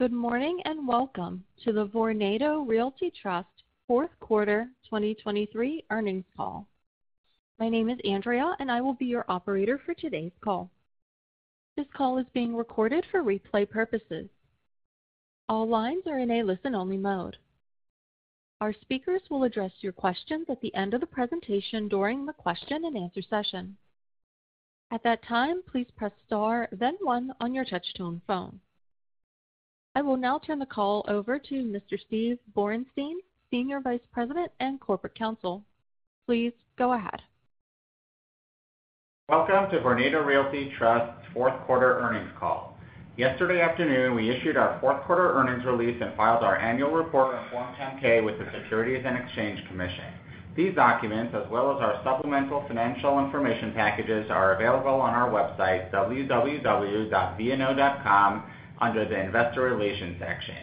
Good morning, and welcome to the Vornado Realty Trust fourth quarter 2023 earnings call. My name is Andrea, and I will be your operator for today's call. This call is being recorded for replay purposes. All lines are in a listen-only mode. Our speakers will address your questions at the end of the presentation during the question and answer session. At that time, please press Star, then one on your touch-tone phone. I will now turn the call over to Mr. Steve Borenstein, Senior Vice President and Corporate Counsel. Please go ahead. Welcome to Vornado Realty Trust's fourth quarter earnings call. Yesterday afternoon, we issued our fourth quarter earnings release and filed our annual report on Form 10-K with the Securities and Exchange Commission. These documents, as well as our supplemental financial information packages, are available on our website, www.vno.com, under the Investor Relations section.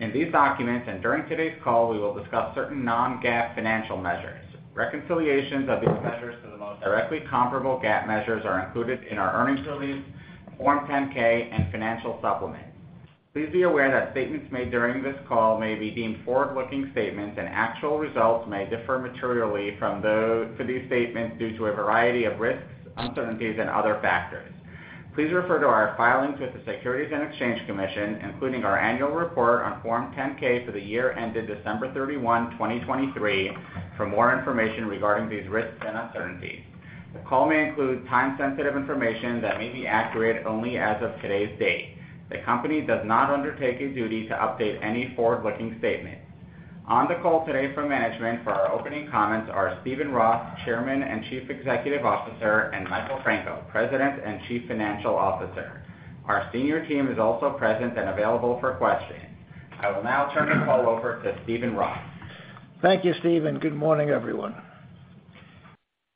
In these documents, and during today's call, we will discuss certain non-GAAP financial measures. Reconciliations of these measures to the most directly comparable GAAP measures are included in our earnings release, Form 10-K, and Financial Supplement. Please be aware that statements made during this call may be deemed forward-looking statements, and actual results may differ materially from those to these statements due to a variety of risks, uncertainties, and other factors. Please refer to our filings with the Securities and Exchange Commission, including our annual report on Form 10-K for the year ended December 31, 2023, for more information regarding these risks and uncertainties. The call may include time-sensitive information that may be accurate only as of today's date. The company does not undertake a duty to update any forward-looking statements. On the call today from management for our opening comments are Steven Roth, Chairman and Chief Executive Officer, and Michael Franco, President and Chief Financial Officer. Our senior team is also present and available for questioning. I will now turn the call over to Steven Roth. Thank you, Steve, and good morning, everyone.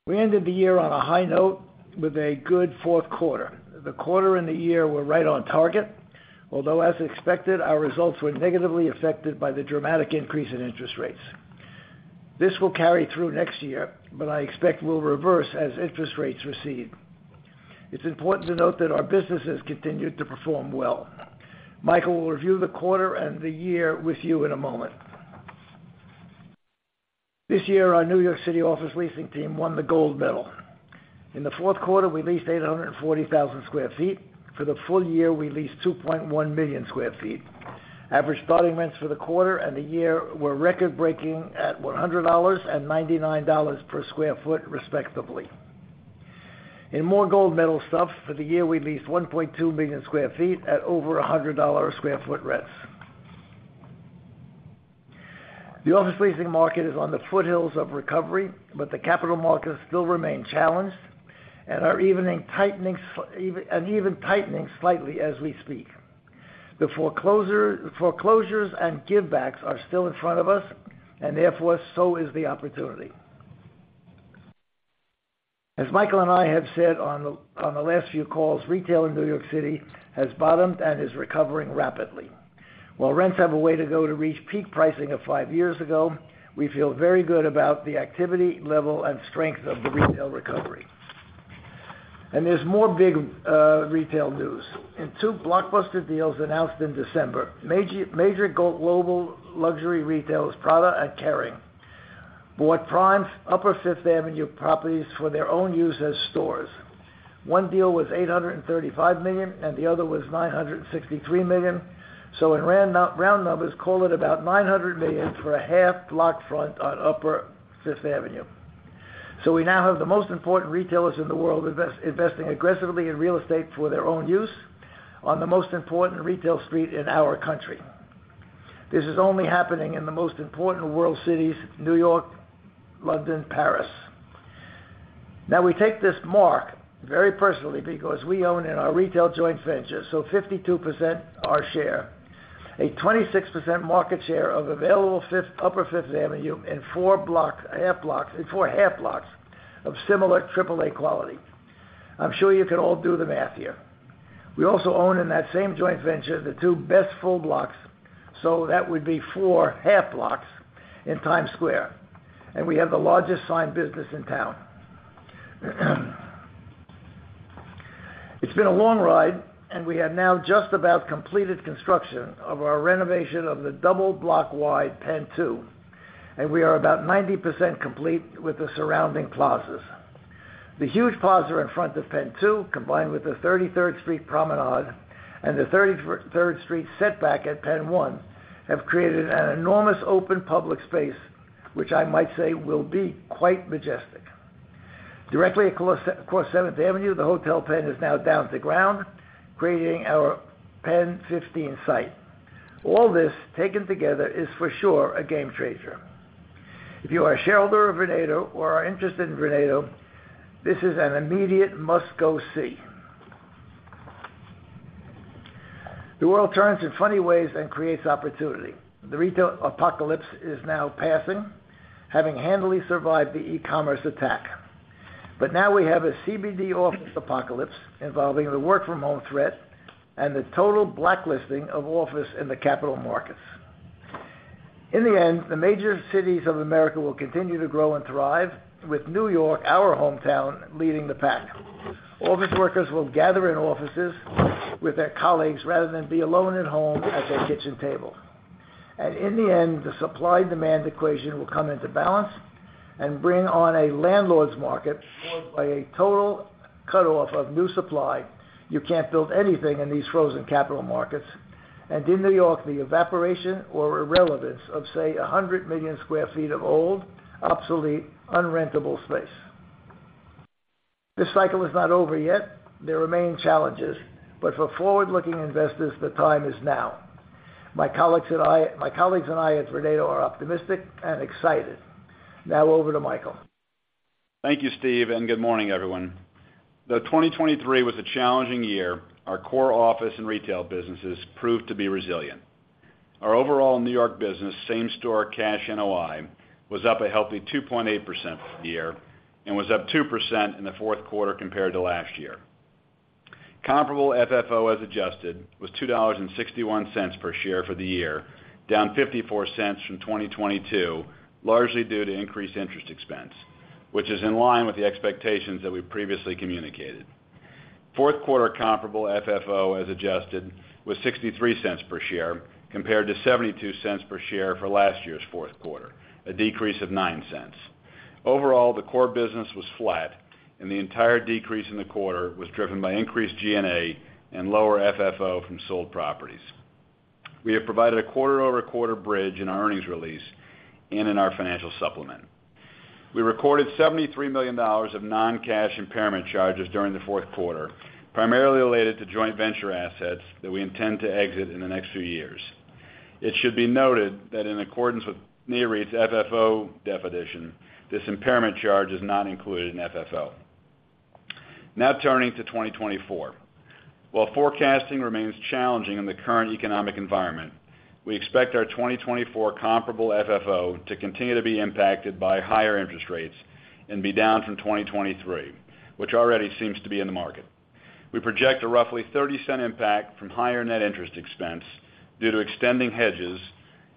We ended the year on a high note with a good fourth quarter. The quarter and the year were right on target, although, as expected, our results were negatively affected by the dramatic increase in interest rates. This will carry through next year, but I expect will reverse as interest rates recede. It's important to note that our business has continued to perform well. Michael will review the quarter and the year with you in a moment. This year, our New York City office leasing team won the gold medal. In the fourth quarter, we leased 840,000 sq ft. For the full year, we leased 2.1 million sq ft. Average starting rents for the quarter and the year were record-breaking at $100 and $99 per sq ft, respectively. In more gold medal stuff, for the year, we leased 1.2 million sq ft at over $100 a sq ft rents. The office leasing market is on the foothills of recovery, but the capital markets still remain challenged and are even tightening slightly as we speak. The foreclosures and givebacks are still in front of us, and therefore, so is the opportunity. As Michael and I have said on the last few calls, retail in New York City has bottomed and is recovering rapidly. While rents have a way to go to reach peak pricing of five years ago, we feel very good about the activity, level, and strength of the retail recovery. And there's more big retail news. In two blockbuster deals announced in December, major, major global luxury retailers, Prada and Kering, bought prime Upper Fifth Avenue properties for their own use as stores. One deal was $835 million, and the other was $963 million. So in round numbers, call it about $900 million for a half block front on Upper Fifth Avenue. So we now have the most important retailers in the world investing aggressively in real estate for their own use on the most important retail street in our country. This is only happening in the most important world cities, New York, London, Paris. Now, we take this mark very personally because we own in our retail joint venture, so 52% our share, a 26% market share of available Fifth, Upper Fifth Avenue in four block-half blocks in four half blocks of similar triple-A quality. I'm sure you can all do the math here. We also own, in that same joint venture, the two best full blocks, so that would be four half blocks in Times Square, and we have the largest signage business in town. It's been a long ride, and we have now just about completed construction of our renovation of the double block-wide PENN 2, and we are about 90% complete with the surrounding plazas. The huge plaza in front of PENN 2, combined with the 33rd Street Promenade and the 33rd Street setback at PENN 1, have created an enormous open public space, which I might say will be quite majestic. Directly across, across 7th Avenue, the Hotel Penn is now down to ground, creating our PENN 15 site. All this, taken together, is for sure a game changer. If you are a shareholder of Vornado or are interested in Vornado, this is an immediate must-go-see. The world turns in funny ways and creates opportunity. The retail apocalypse is now passing, having handily survived the e-commerce attack. But now we have a CBD office apocalypse involving the work-from-home threat and the total blacklisting of office in the capital markets.... In the end, the major cities of America will continue to grow and thrive, with New York, our hometown, leading the pack. Office workers will gather in offices with their colleagues rather than be alone at home at their kitchen table. In the end, the supply-demand equation will come into balance and bring on a landlord's market followed by a total cut-off of new supply. You can't build anything in these frozen capital markets. In New York, the evaporation or irrelevance of, say, 100 million sq ft. of old, obsolete, unrentable space. This cycle is not over yet. There remain challenges, but for forward-looking investors, the time is now. My colleagues and I at Vornado are optimistic and excited. Now, over to Michael. Thank you, Steve, and good morning, everyone. Though 2023 was a challenging year, our core office and retail businesses proved to be resilient. Our overall New York business, same-store cash NOI, was up a healthy 2.8% for the year and was up 2% in the fourth quarter compared to last year. Comparable FFO, as adjusted, was $2.61 per share for the year, down $0.54 from 2022, largely due to increased interest expense, which is in line with the expectations that we previously communicated. Fourth quarter comparable FFO, as adjusted, was $0.63 per share, compared to $0.72 per share for last year's fourth quarter, a decrease of $0.09. Overall, the core business was flat, and the entire decrease in the quarter was driven by increased G&A and lower FFO from sold properties. We have provided a quarter-over-quarter bridge in our earnings release and in our financial supplement. We recorded $73 million of non-cash impairment charges during the fourth quarter, primarily related to joint venture assets that we intend to exit in the next few years. It should be noted that in accordance with NAREIT's FFO definition, this impairment charge is not included in FFO. Now turning to 2024. While forecasting remains challenging in the current economic environment, we expect our 2024 comparable FFO to continue to be impacted by higher interest rates and be down from 2023, which already seems to be in the market. We project a roughly $0.30 impact from higher net interest expense due to extending hedges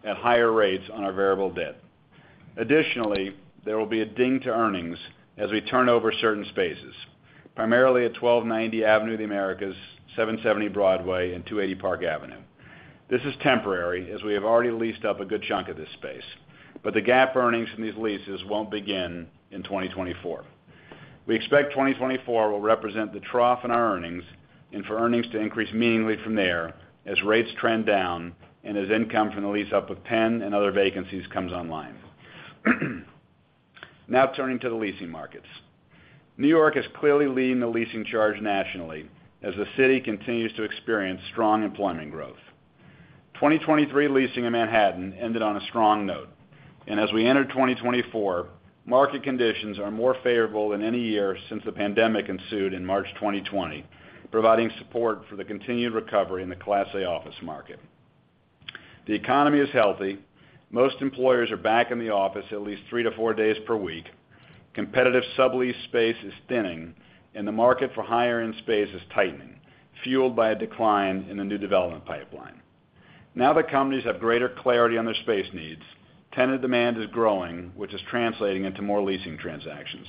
at higher rates on our variable debt. Additionally, there will be a ding to earnings as we turn over certain spaces, primarily at 1290 Avenue of the Americas, 770 Broadway, and 280 Park Avenue. This is temporary, as we have already leased up a good chunk of this space, but the GAAP earnings from these leases won't begin in 2024. We expect 2024 will represent the trough in our earnings and for earnings to increase meaningfully from there as rates trend down and as income from the lease up with PENN and other vacancies comes online. Now, turning to the leasing markets. New York is clearly leading the leasing charge nationally as the city continues to experience strong employment growth. 2023 leasing in Manhattan ended on a strong note, and as we enter 2024, market conditions are more favorable than any year since the pandemic ensued in March 2020, providing support for the continued recovery in the Class A office market. The economy is healthy. Most employers are back in the office at least three-four days per week. Competitive sublease space is thinning, and the market for higher-end space is tightening, fueled by a decline in the new development pipeline. Now that companies have greater clarity on their space needs, tenant demand is growing, which is translating into more leasing transactions.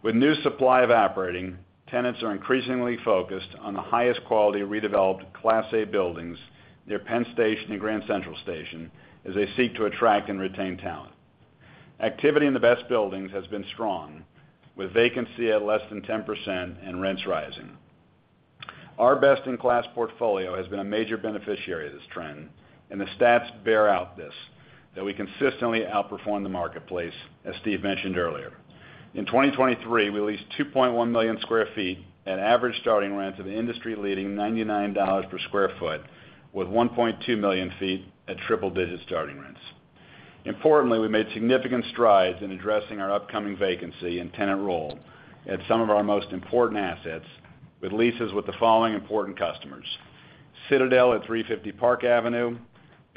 With new supply evaporating, tenants are increasingly focused on the highest quality, redeveloped Class A buildings near Penn Station and Grand Central Station as they seek to attract and retain talent. Activity in the best buildings has been strong, with vacancy at less than 10% and rents rising. Our best-in-class portfolio has been a major beneficiary of this trend, and the stats bear out this, that we consistently outperform the marketplace, as Steve mentioned earlier. In 2023, we leased 2.1 million sq ft at average starting rents of industry-leading $99 per sq ft, with 1.2 million feet at triple-digit starting rents. Importantly, we made significant strides in addressing our upcoming vacancy and tenant role at some of our most important assets, with leases with the following important customers: Citadel at 350 Park Avenue,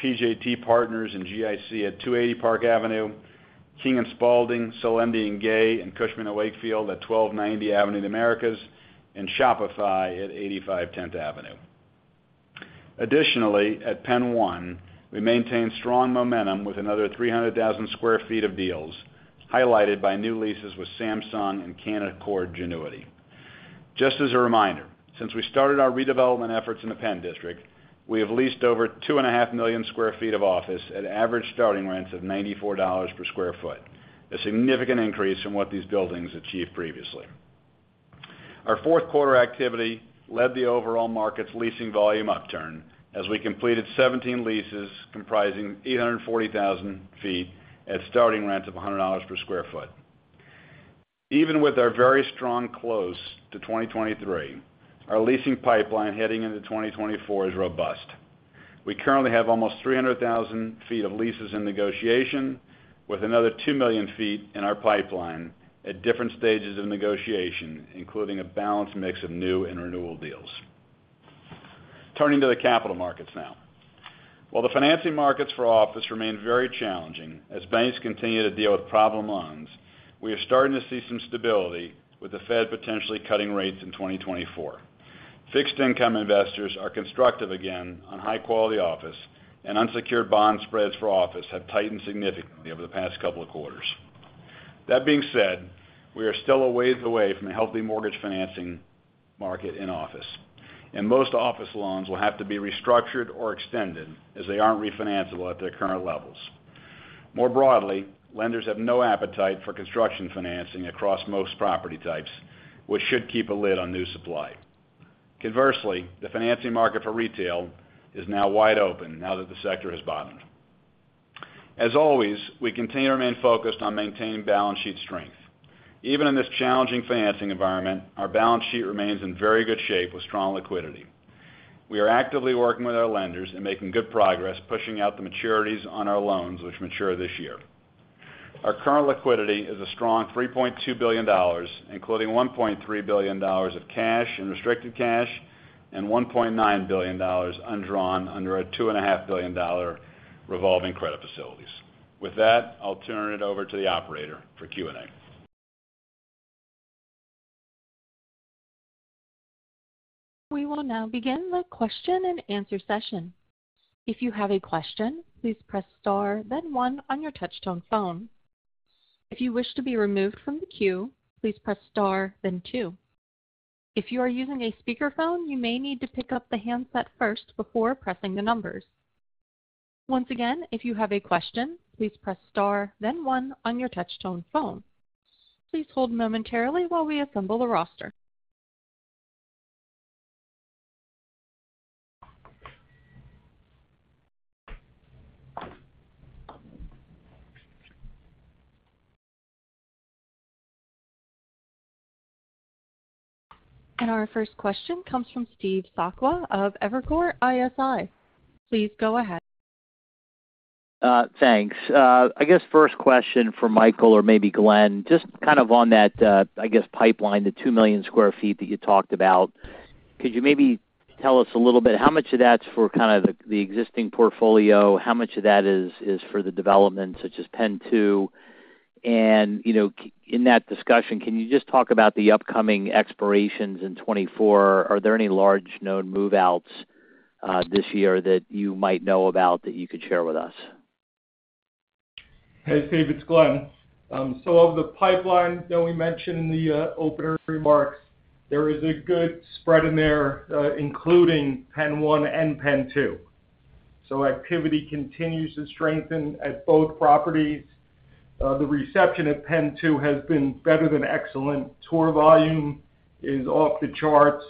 PJT Partners and GIC at 280 Park Avenue, King & Spalding, Selendy Gay, and Cushman & Wakefield at 1290 Avenue of the Americas, and Shopify at 85 Tenth Avenue. Additionally, at PENN 1, we maintained strong momentum with another 300,000 sq ft of deals, highlighted by new leases with Samsung and Canaccord Genuity. Just as a reminder, since we started our redevelopment efforts in the Penn District, we have leased over 2.5 million sq ft of office at average starting rents of $94 per sq ft, a significant increase from what these buildings achieved previously. Our fourth quarter activity led the overall market's leasing volume upturn as we completed 17 leases comprising 840,000 sq ft at starting rents of $100 per sq ft. Even with our very strong close to 2023, our leasing pipeline heading into 2024 is robust. We currently have almost 300,000 sq ft of leases in negotiation, with another 2 million sq ft in our pipeline at different stages of negotiation, including a balanced mix of new and renewal deals. Turning to the capital markets now. While the financing markets for office remain very challenging as banks continue to deal with problem loans, we are starting to see some stability, with the Fed potentially cutting rates in 2024. Fixed income investors are constructive again on high-quality office, and unsecured bond spreads for office have tightened significantly over the past couple of quarters. That being said, we are still a ways away from a healthy mortgage financing market in office, and most office loans will have to be restructured or extended as they aren't refinanceable at their current levels. More broadly, lenders have no appetite for construction financing across most property types, which should keep a lid on new supply. Conversely, the financing market for retail is now wide open now that the sector has bottomed. As always, we continue to remain focused on maintaining balance sheet strength. Even in this challenging financing environment, our balance sheet remains in very good shape with strong liquidity. We are actively working with our lenders and making good progress, pushing out the maturities on our loans, which mature this year. Our current liquidity is a strong $3.2 billion, including $1.3 billion of cash and restricted cash and $1.9 billion undrawn under a $2.5 billion revolving credit facilities. With that, I'll turn it over to the operator for Q&A. We will now begin the question-and-answer session. If you have a question, please press Star, then one on your touchtone phone. If you wish to be removed from the queue, please press Star, then two. If you are using a speakerphone, you may need to pick up the handset first before pressing the numbers. Once again, if you have a question, please press Star, then one on your touchtone phone. Please hold momentarily while we assemble the roster. Our first question comes from Steve Sakwa of Evercore ISI. Please go ahead. Thanks. I guess first question for Michael or maybe Glenn, just kind of on that, I guess, pipeline, the 2 million sq ft that you talked about. Could you maybe tell us a little bit, how much of that's for kind of the, the existing portfolio? How much of that is, is for the development, such as PENN 2? And, you know, in that discussion, can you just talk about the upcoming expirations in 2024? Are there any large known move-outs, this year that you might know about that you could share with us? Hey, Steve, it's Glen. So of the pipeline that we mentioned in the opener's remarks, there is a good spread in there, including PENN 1 and PENN 2. So activity continues to strengthen at both properties. The reception at PENN 2 has been better than excellent. Tour volume is off the charts.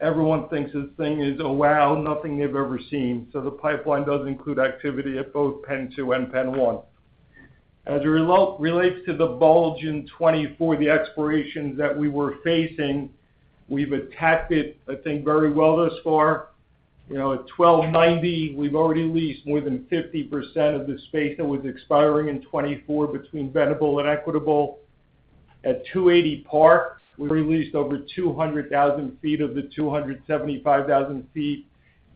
Everyone thinks this thing is, wow, nothing they've ever seen. So the pipeline does include activity at both PENN 2 and PENN 1. As it relates to the bulge in 2024, the expirations that we were facing, we've attacked it, I think, very well thus far. You know, at 1290, we've already leased more than 50% of the space that was expiring in 2024 between rentable and equitable. At 280 Park, we released over 200,000 sq ft of the 275,000 sq ft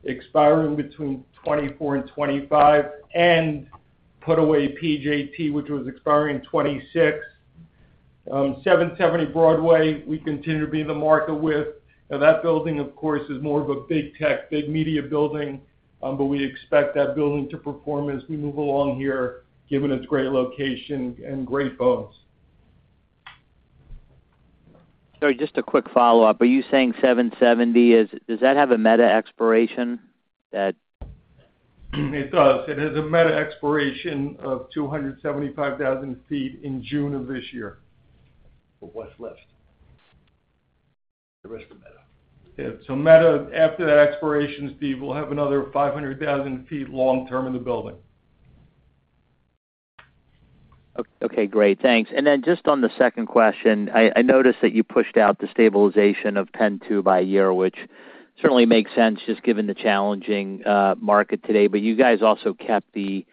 expiring between 2024 and 2025 and put away PJT, which was expiring in 2026. 770 Broadway, we continue to be in the market with. Now, that building, of course, is more of a big tech, big media building, but we expect that building to perform as we move along here, given its great location and great bones. Sorry, just a quick follow-up. Are you saying 770 is- Does that have a Meta expiration that- It does. It has a Meta expiration of 275,000 sq ft in June of this year. What's left? The rest of Meta. Yeah. So Meta, after that expiration fee, we'll have another 500,000 sq ft long-term in the building. Okay, great. Thanks. And then just on the second question, I noticed that you pushed out the stabilization of PENN 2 by a year, which certainly makes sense, just given the challenging market today. But you guys also kept the,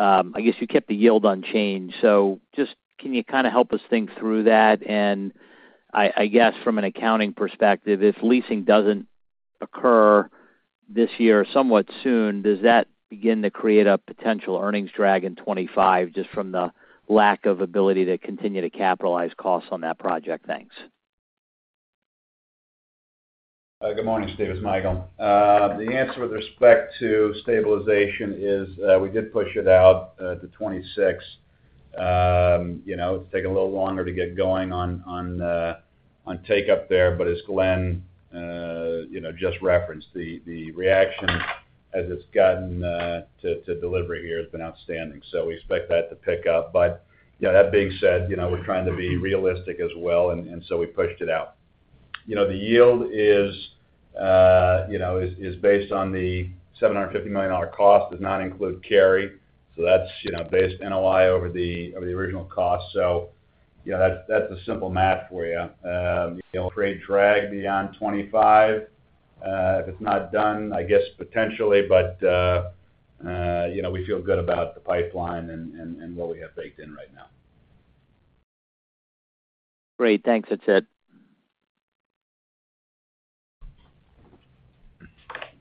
I guess, you kept the yield unchanged. So just can you kinda help us think through that? And I guess from an accounting perspective, if leasing doesn't occur this year, somewhat soon, does that begin to create a potential earnings drag in 25, just from the lack of ability to continue to capitalize costs on that project? Thanks. Good morning, Steve, it's Michael. The answer with respect to stabilization is, we did push it out to 26. You know, it's taking a little longer to get going on take up there, but as Glenn just referenced, the reaction as it's gotten to delivery here has been outstanding, so we expect that to pick up. But, you know, that being said, you know, we're trying to be realistic as well, and so we pushed it out. You know, the yield is based on the $750 million cost, does not include carry. So that's based NOI over the original cost. So, yeah, that's a simple math for you. You know, create drag beyond 25. If it's not done, I guess, potentially, but you know, we feel good about the pipeline and what we have baked in right now. Great. Thanks. That's it.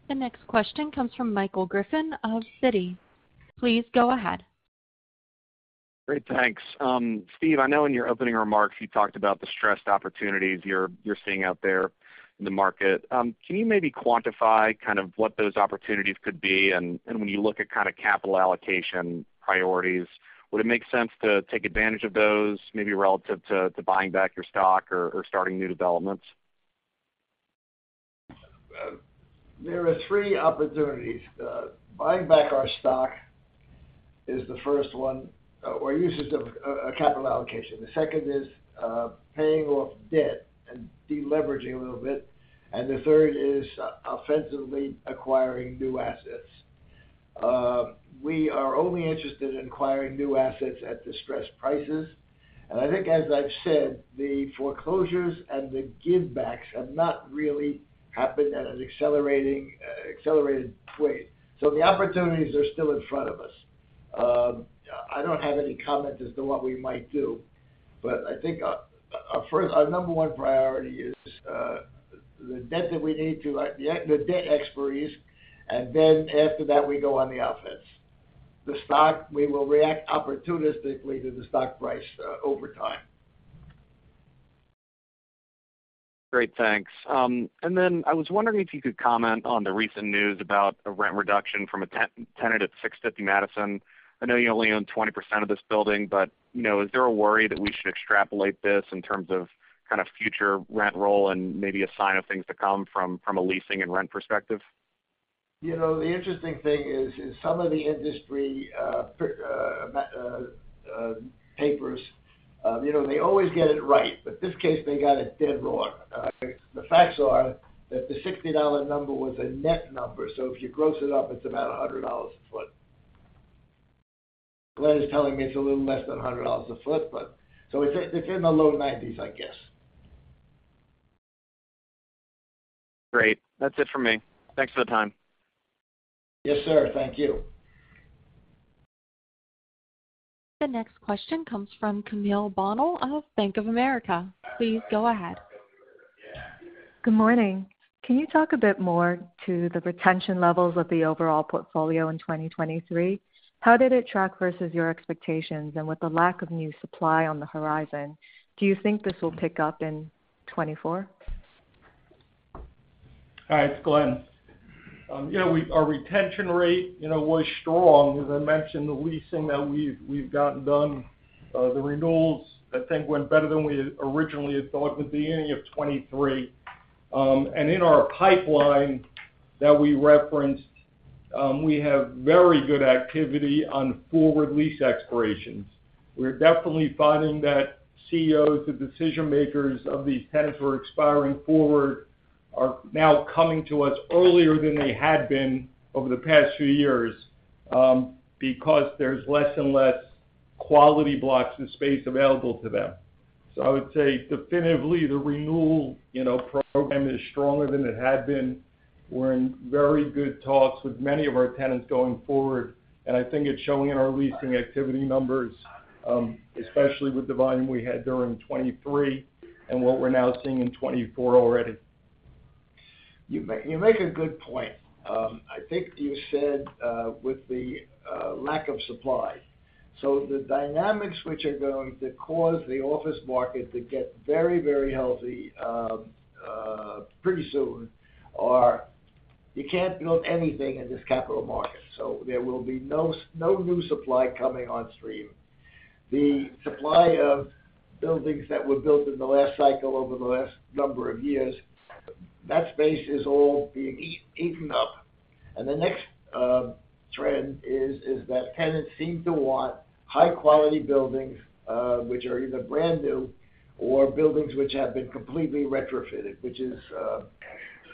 The next question comes from Michael Griffin of Citi. Please go ahead. Great, thanks. Steve, I know in your opening remarks, you talked about the stressed opportunities you're seeing out there in the market. Can you maybe quantify kind of what those opportunities could be? And when you look at kind of capital allocation priorities, would it make sense to take advantage of those, maybe relative to buying back your stock or starting new developments? There are three opportunities. Buying back our stock is the first one, or uses of capital allocation. The second is paying off debt and deleveraging a little bit, and the third is offensively acquiring new assets. We are only interested in acquiring new assets at distressed prices, and I think, as I've said, the foreclosures and the give backs have not really happened at an accelerating, accelerated rate. So the opportunities are still in front of us. I don't have any comment as to what we might do, but I think our first—our number one priority is the debt that we need to, the debt expiries, and then after that, we go on the offense. The stock, we will react opportunistically to the stock price over time. Great, thanks. And then I was wondering if you could comment on the recent news about a rent reduction from a tenant at 650 Madison. I know you only own 20% of this building, but, you know, is there a worry that we should extrapolate this in terms of kind of future rent roll and maybe a sign of things to come from, from a leasing and rent perspective? You know, the interesting thing is, is some of the industry, papers, you know, they always get it right, but this case, they got it dead wrong. The facts are that the $60 number was a net number, so if you gross it up, it's about $100 a foot. Glenn is telling me it's a little less than $100 a foot, but so it's, it's in the low $90s, I guess. Great. That's it for me. Thanks for the time. Yes, sir. Thank you. The next question comes from Camille Bonnel of Bank of America. Please go ahead. Good morning. Can you talk a bit more to the retention levels of the overall portfolio in 2023? How did it track versus your expectations, and with the lack of new supply on the horizon, do you think this will pick up in 2024? Hi, it's Glen. You know, our retention rate, you know, was strong. As I mentioned, the leasing that we've gotten done, the renewals, I think, went better than we originally had thought would be ending of 2023. And in our pipeline that we referenced, we have very good activity on forward lease expirations. We're definitely finding that CEOs and decision makers of these tenants who are expiring forward are now coming to us earlier than they had been over the past few years, because there's less and less quality blocks and space available to them. So I would say definitively, the renewal, you know, program is stronger than it had been. We're in very good talks with many of our tenants going forward, and I think it's showing in our leasing activity numbers, especially with the volume we had during 2023 and what we're now seeing in 2024 already. You make a good point. I think you said with the lack of supply. So the dynamics which are going to cause the office market to get very, very healthy pretty soon are... You can't build anything in this capital market, so there will be no new supply coming on stream. The supply of buildings that were built in the last cycle over the last number of years, that space is all being eaten up. And the next trend is that tenants seem to want high-quality buildings which are either brand new or buildings which have been completely retrofitted, which is...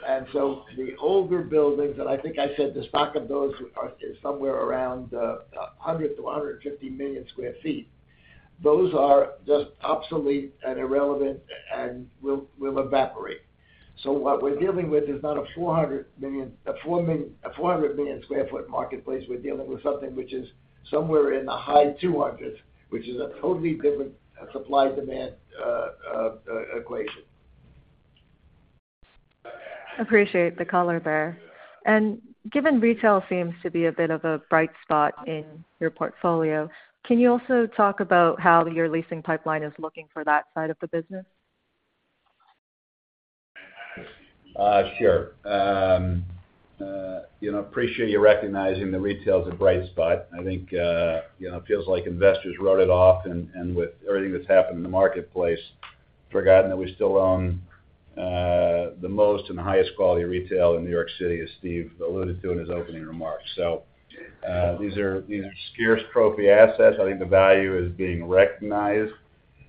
And so the older buildings, and I think I said the stock of those are somewhere around 100-150 million sq ft. Those are just obsolete and irrelevant and will evaporate. So what we're dealing with is not a 400 million sq ft marketplace. We're dealing with something which is somewhere in the high 200s, which is a totally different supply-demand equation. Appreciate the color there. Given retail seems to be a bit of a bright spot in your portfolio, can you also talk about how your leasing pipeline is looking for that side of the business? Sure. You know, appreciate you recognizing the retail is a bright spot. I think, you know, it feels like investors wrote it off and, and with everything that's happened in the marketplace, forgotten that we still own the most and highest quality retail in New York City, as Steve alluded to in his opening remarks. So, these are scarce trophy assets. I think the value is being recognized.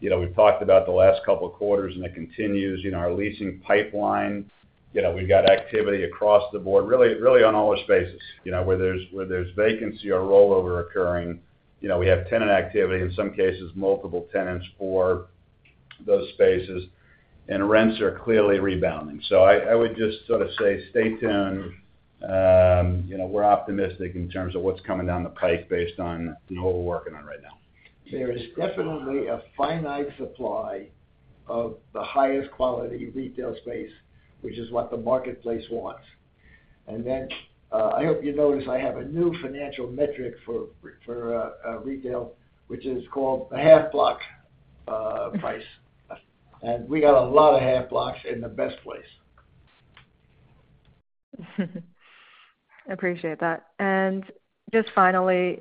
You know, we've talked about the last couple of quarters, and it continues. You know, our leasing pipeline, you know, we've got activity across the board, really on all our spaces. You know, where there's vacancy or rollover occurring, you know, we have tenant activity, in some cases, multiple tenants for those spaces, and rents are clearly rebounding. So I would just sort of say, stay tuned.... you know, we're optimistic in terms of what's coming down the pike based on, you know, what we're working on right now. There is definitely a finite supply of the highest quality retail space, which is what the marketplace wants. And then, I hope you notice I have a new financial metric for retail, which is called the half block price. And we got a lot of half blocks in the best place. Appreciate that. Just finally,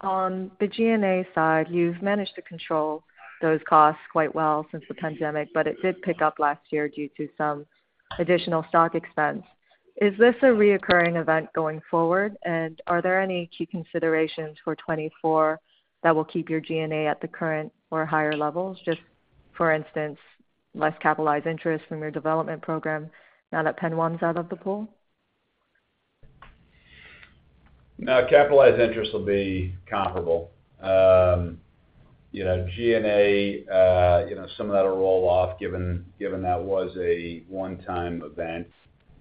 on the G&A side, you've managed to control those costs quite well since the pandemic, but it did pick up last year due to some additional stock expense. Is this a recurring event going forward? And are there any key considerations for 2024 that will keep your G&A at the current or higher levels, just, for instance, less capitalized interest from your development program now that PENN 1's out of the pool? No, capitalized interest will be comparable. You know, G&A, you know, some of that'll roll off, given, given that was a one-time event.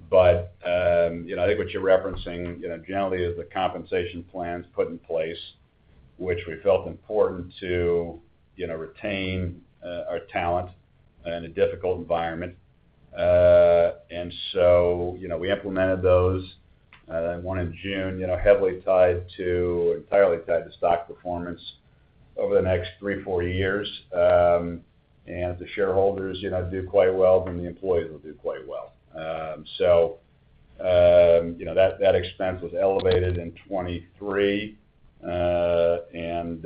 But, you know, I think what you're referencing, you know, generally, is the compensation plans put in place, which we felt important to, you know, retain, our talent in a difficult environment. And so, you know, we implemented those, one in June, you know, heavily tied to-- entirely tied to stock performance over the next three, four years. And if the shareholders, you know, do quite well, then the employees will do quite well. So, you know, that, that expense was elevated in 2023. And,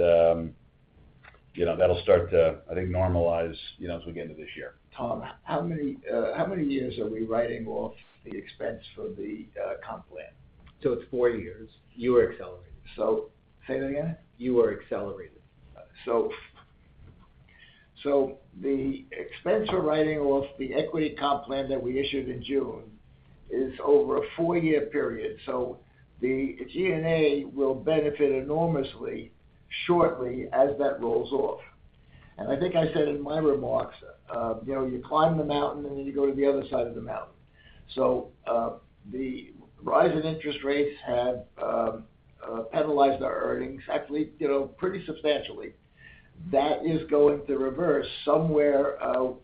you know, that'll start to, I think, normalize, you know, as we get into this year. Tom, how many, how many years are we writing off the expense for the, comp plan? So it's four years. You were accelerated. So say that again? You were accelerated. So, so the expense for writing off the equity comp plan that we issued in June is over a four-year period, so the G&A will benefit enormously, shortly, as that rolls off. And I think I said in my remarks, you know, you climb the mountain, and then you go to the other side of the mountain. So, the rise in interest rates have penalized our earnings, actually, you know, pretty substantially. That is going to reverse somewhere,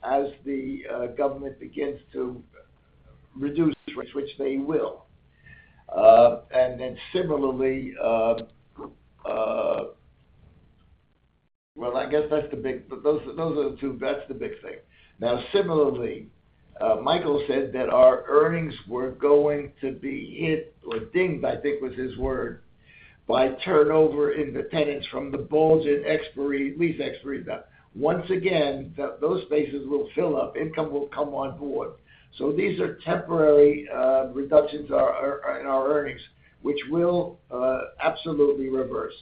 as the, government begins to reduce rates, which they will. And then similarly... Well, I guess that's the big-- but those, those are the two, that's the big thing. Now, similarly, Michael said that our earnings were going to be hit, or dinged, I think was his word, by turnover in the tenants from the bulge in expiry, lease expiry. But once again, those spaces will fill up, income will come on board. So these are temporarily, reductions in our, in our earnings, which will, absolutely reverse.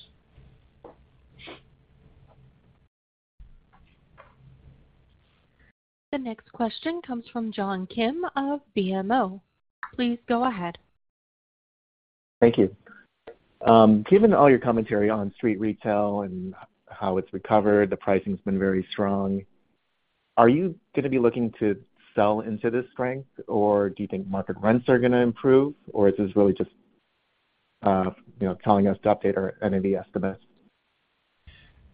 The next question comes from John Kim of BMO. Please go ahead. Thank you. Given all your commentary on street retail and how it's recovered, the pricing's been very strong, are you going to be looking to sell into this strength, or do you think market rents are going to improve, or is this really just, you know, telling us to update our NAV estimates?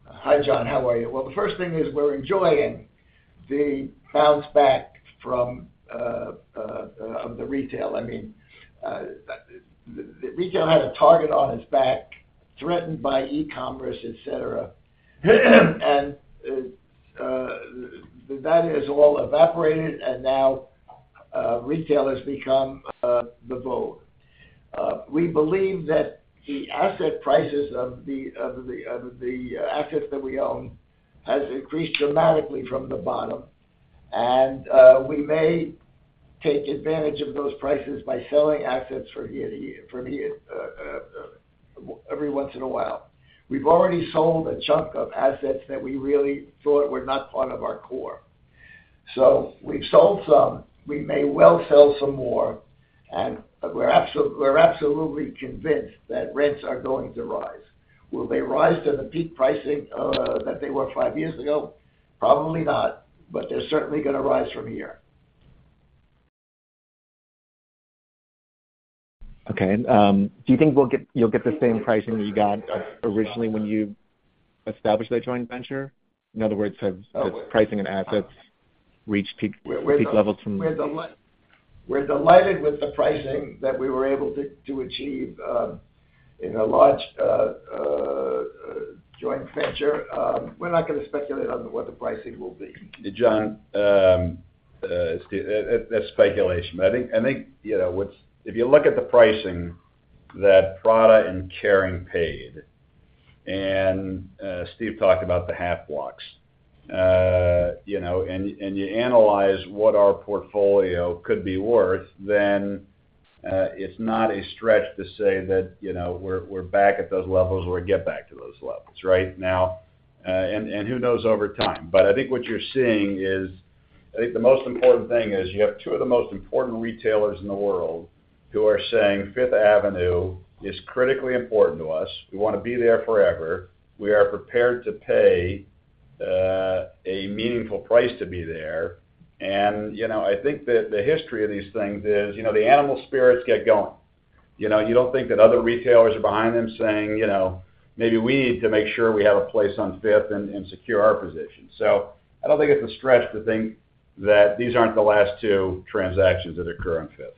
Hi, John. How are you? Well, the first thing is we're enjoying the bounce back from the retail. I mean, the retail had a target on its back, threatened by e-commerce, et cetera. And that has all evaporated, and now retail has become the vogue. We believe that the asset prices of the assets that we own has increased dramatically from the bottom, and we may take advantage of those prices by selling assets from year to year, every once in a while. We've already sold a chunk of assets that we really thought were not part of our core. So we've sold some. We may well sell some more, and we're absolutely convinced that rents are going to rise. Will they rise to the peak pricing, that they were five years ago? Probably not, but they're certainly going to rise from here. Okay, do you think we'll get-- you'll get the same pricing you got originally when you established a joint venture? In other words, have the pricing and assets reached peak, peak levels from- We're delighted with the pricing that we were able to achieve in a large joint venture. We're not going to speculate on what the pricing will be. John, Steve, that's speculation, but I think, you know, what's-- if you look at the pricing that Prada and Kering paid, and, Steve talked about the half blocks, you know, and, and you analyze what our portfolio could be worth, then, it's not a stretch to say that, you know, we're back at those levels or get back to those levels, right? Now, and, and who knows over time. But I think what you're seeing is... I think the most important thing is you have two of the most important retailers in the world who are saying: Fifth Avenue is critically important to us. We want to be there forever. We are prepared to pay-... a meaningful price to be there. You know, I think that the history of these things is, you know, the animal spirits get going. You know, you don't think that other retailers are behind them saying, you know, "Maybe we need to make sure we have a place on Fifth and secure our position." So I don't think it's a stretch to think that these aren't the last two transactions that occur on Fifth.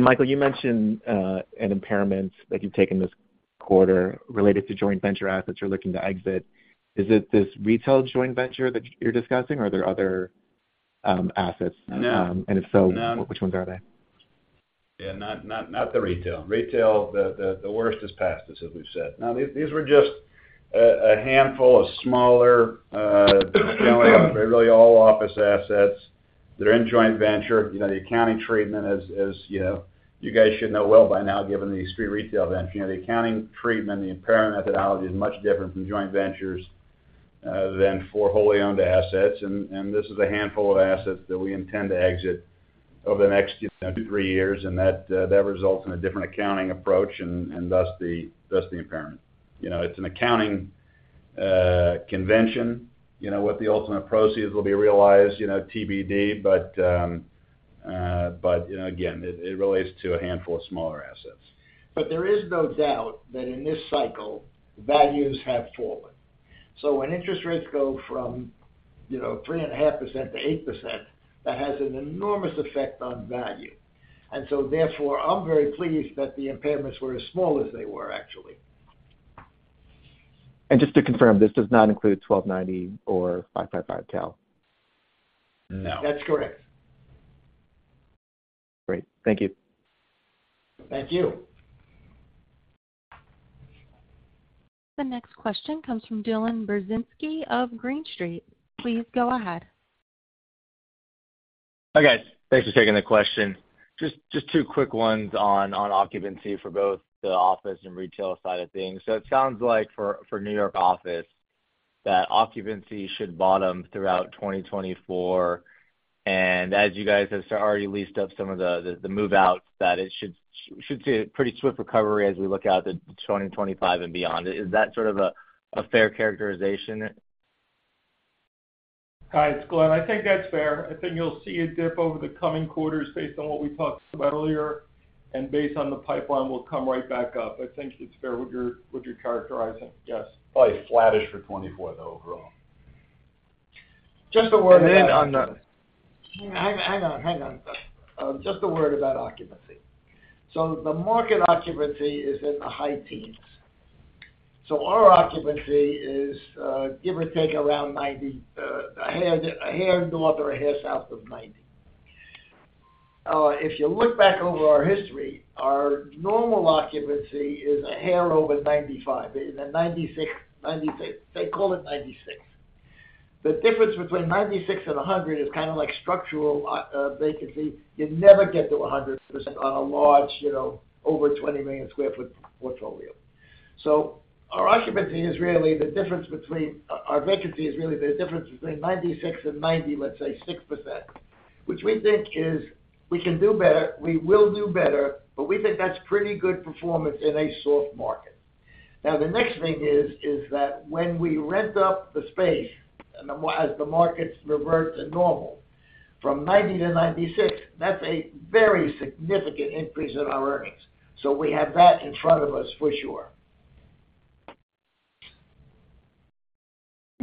Michael, you mentioned an impairment that you've taken this quarter related to joint venture assets you're looking to exit. Is it this retail joint venture that you're discussing, or are there other assets? No. And if so- No. Which ones are they? Yeah, not the retail. Retail, the worst is past us, as we've said. Now, these were just a handful of smaller, generally, really all office assets that are in joint venture. You know, the accounting treatment, as you know, you guys should know well by now, given the street retail venture. You know, the accounting treatment, the impairment methodology is much different from joint ventures than for wholly owned assets. And this is a handful of assets that we intend to exit over the next two to three years, and that results in a different accounting approach, and thus the impairment. You know, it's an accounting convention. You know, what the ultimate proceeds will be realized, you know, TBD, but, you know, again, it relates to a handful of smaller assets. There is no doubt that in this cycle, values have fallen. When interest rates go from, you know, 3.5% to 8%, that has an enormous effect on value. And so therefore, I'm very pleased that the impairments were as small as they were, actually. Just to confirm, this does not include 1290 or 555 Cal? No. That's correct. Great. Thank you. Thank you. The next question comes from Dylan Burzinski of Green Street. Please go ahead. Hi, guys. Thanks for taking the question. Just two quick ones on occupancy for both the office and retail side of things. So it sounds like for New York office, that occupancy should bottom throughout 2024, and as you guys have already leased up some of the move-outs, that it should see a pretty swift recovery as we look out to 2025 and beyond. Is that sort of a fair characterization? Hi, it's Glen. I think that's fair. I think you'll see a dip over the coming quarters based on what we talked about earlier, and based on the pipeline, we'll come right back up. I think it's fair, what you're, what you're characterizing, yes. Probably flattish for 2024 though, overall. Just a word on the- Hang, hang on. Hang on. Just a word about occupancy. So the market occupancy is in the high teens. So our occupancy is, give or take, around 90, a hair, a hair north or a hair south of 90. If you look back over our history, our normal occupancy is a hair over 95, in the 96, ninety-si- Let's call it 96. The difference between 96 and 100 is kind of like structural oc- vacancy. You never get to 100% on a large, you know, over 20 million sq ft portfolio. So our occupancy is really the difference between... Our, our vacancy is really the difference between 96 and 90, let's say 6%, which we think is, we can do better, we will do better, but we think that's pretty good performance in a soft market. Now, the next thing is, is that when we rent up the space and as the markets revert to normal, from 90 to 96, that's a very significant increase in our earnings. So we have that in front of us for sure.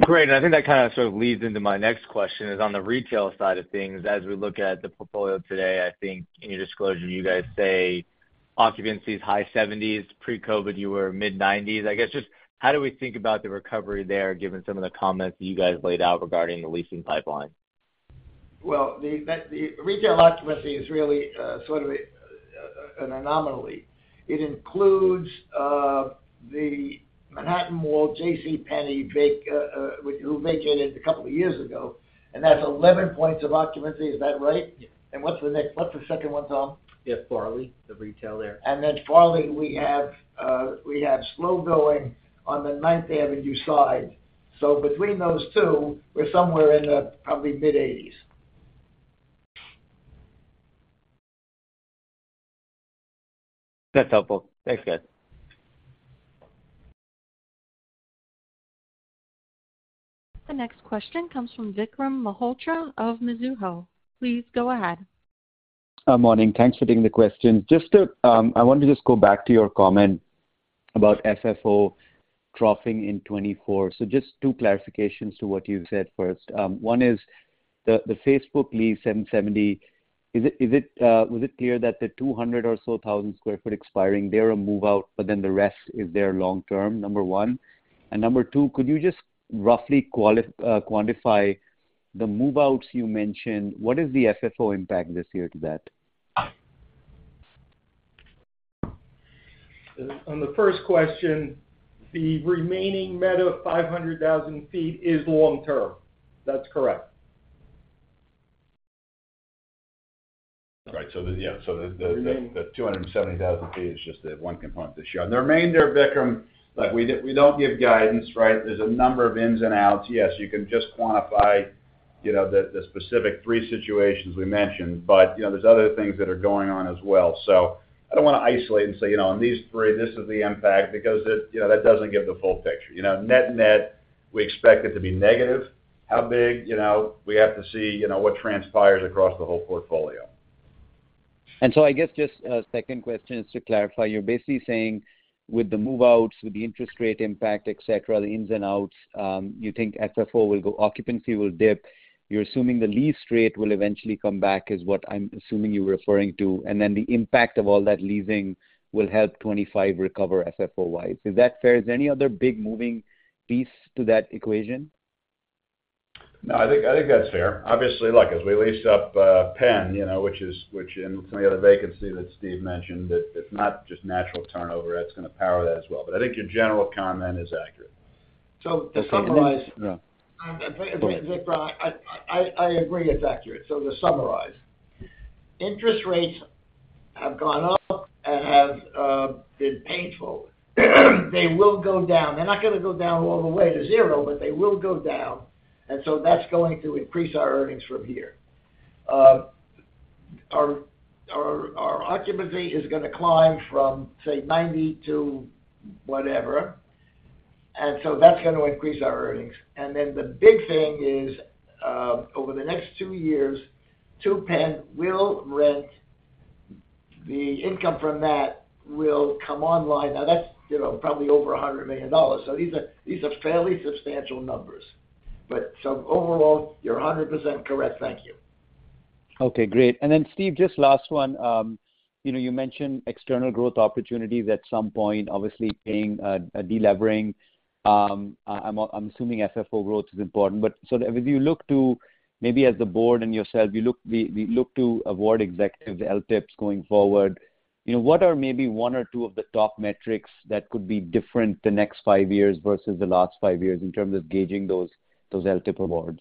Great. And I think that kind of sort of leads into my next question, is on the retail side of things. As we look at the portfolio today, I think in your disclosure, you guys say occupancy is high 70s. Pre-COVID, you were mid-90s. I guess, just how do we think about the recovery there, given some of the comments you guys laid out regarding the leasing pipeline? Well, the retail occupancy is really sort of an anomaly. It includes the Manhattan Mall, J.C. Penney who vacated a couple of years ago, and that's 11 points of occupancy. Is that right? Yeah. What's the second one, Tom? Yeah, Farley, the retail there. And then Farley, we have slow going on the Ninth Avenue side. So between those two, we're somewhere in the probably mid-80s. That's helpful. Thanks, guys. The next question comes from Vikram Malhotra of Mizuho. Please go ahead. Morning. Thanks for taking the question. Just to, I want to just go back to your comment about FFO dropping in 2024. So just two clarifications to what you've said first. One is the, the Facebook lease, 770, is it, is it, was it clear that the 200 or so thousand square foot expiring, they're a move-out, but then the rest is their long term, number one? And number two, could you just roughly quantify the move-outs you mentioned? What is the FFO impact this year to that? On the first question, the remaining Meta, 500,000 feet is long term. That's correct. Right. So the- Remaining-... the 270,000 feet is just the one component this year. On the remainder, Vikram, like we don't give guidance, right? There's a number of ins and outs. Yes, you can just quantify... you know, the, the specific three situations we mentioned, but, you know, there's other things that are going on as well. So I don't want to isolate and say, you know, on these three, this is the impact, because it, you know, that doesn't give the full picture. You know, net-net, we expect it to be negative. How big? You know, we have to see, you know, what transpires across the whole portfolio. And so I guess just a second question is to clarify, you're basically saying, with the move-outs, with the interest rate impact, et cetera, the ins and outs, you think FFO will go... Occupancy will dip. You're assuming the lease rate will eventually come back, is what I'm assuming you're referring to, and then the impact of all that leasing will help 25 recover FFO-wide. Is that fair? Is there any other big moving piece to that equation? No, I think, I think that's fair. Obviously, look, as we lease up, Penn, you know, which is, which in some of the other vacancy that Steve mentioned, that if not just natural turnover, that's going to power that as well. But I think your general comment is accurate. To summarize- Go ahead. Vikram, I agree it's accurate. So to summarize, interest rates have gone up and have been painful. They will go down. They're not gonna go down all the way to zero, but they will go down, and so that's going to increase our earnings from here. Our occupancy is gonna climb from, say, 90% to whatever, and so that's gonna increase our earnings. And then the big thing is, over the next two years, Two Penn will rent. The income from that will come online. Now, that's, you know, probably over $100 million. So these are, these are fairly substantial numbers. But so overall, you're 100% correct. Thank you. Okay, great. And then, Steve, just last one. You know, you mentioned external growth opportunities at some point, obviously, paying a delevering. I'm assuming FFO growth is important, but so as you look to, maybe as the board and yourself, we look to award executives, the LTIPs, going forward, you know, what are maybe one or two of the top metrics that could be different the next five years versus the last five years in terms of gauging those LTIP awards?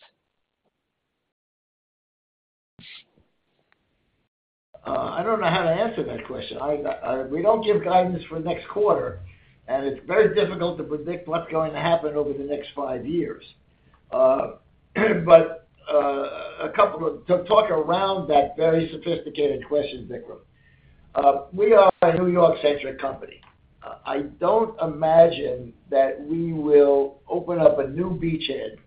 I don't know how to answer that question. I, we don't give guidance for next quarter, and it's very difficult to predict what's going to happen over the next five years. But to talk around that very sophisticated question, Vikram. We are a New York-centric company. I don't imagine that we will open up a new beachhead,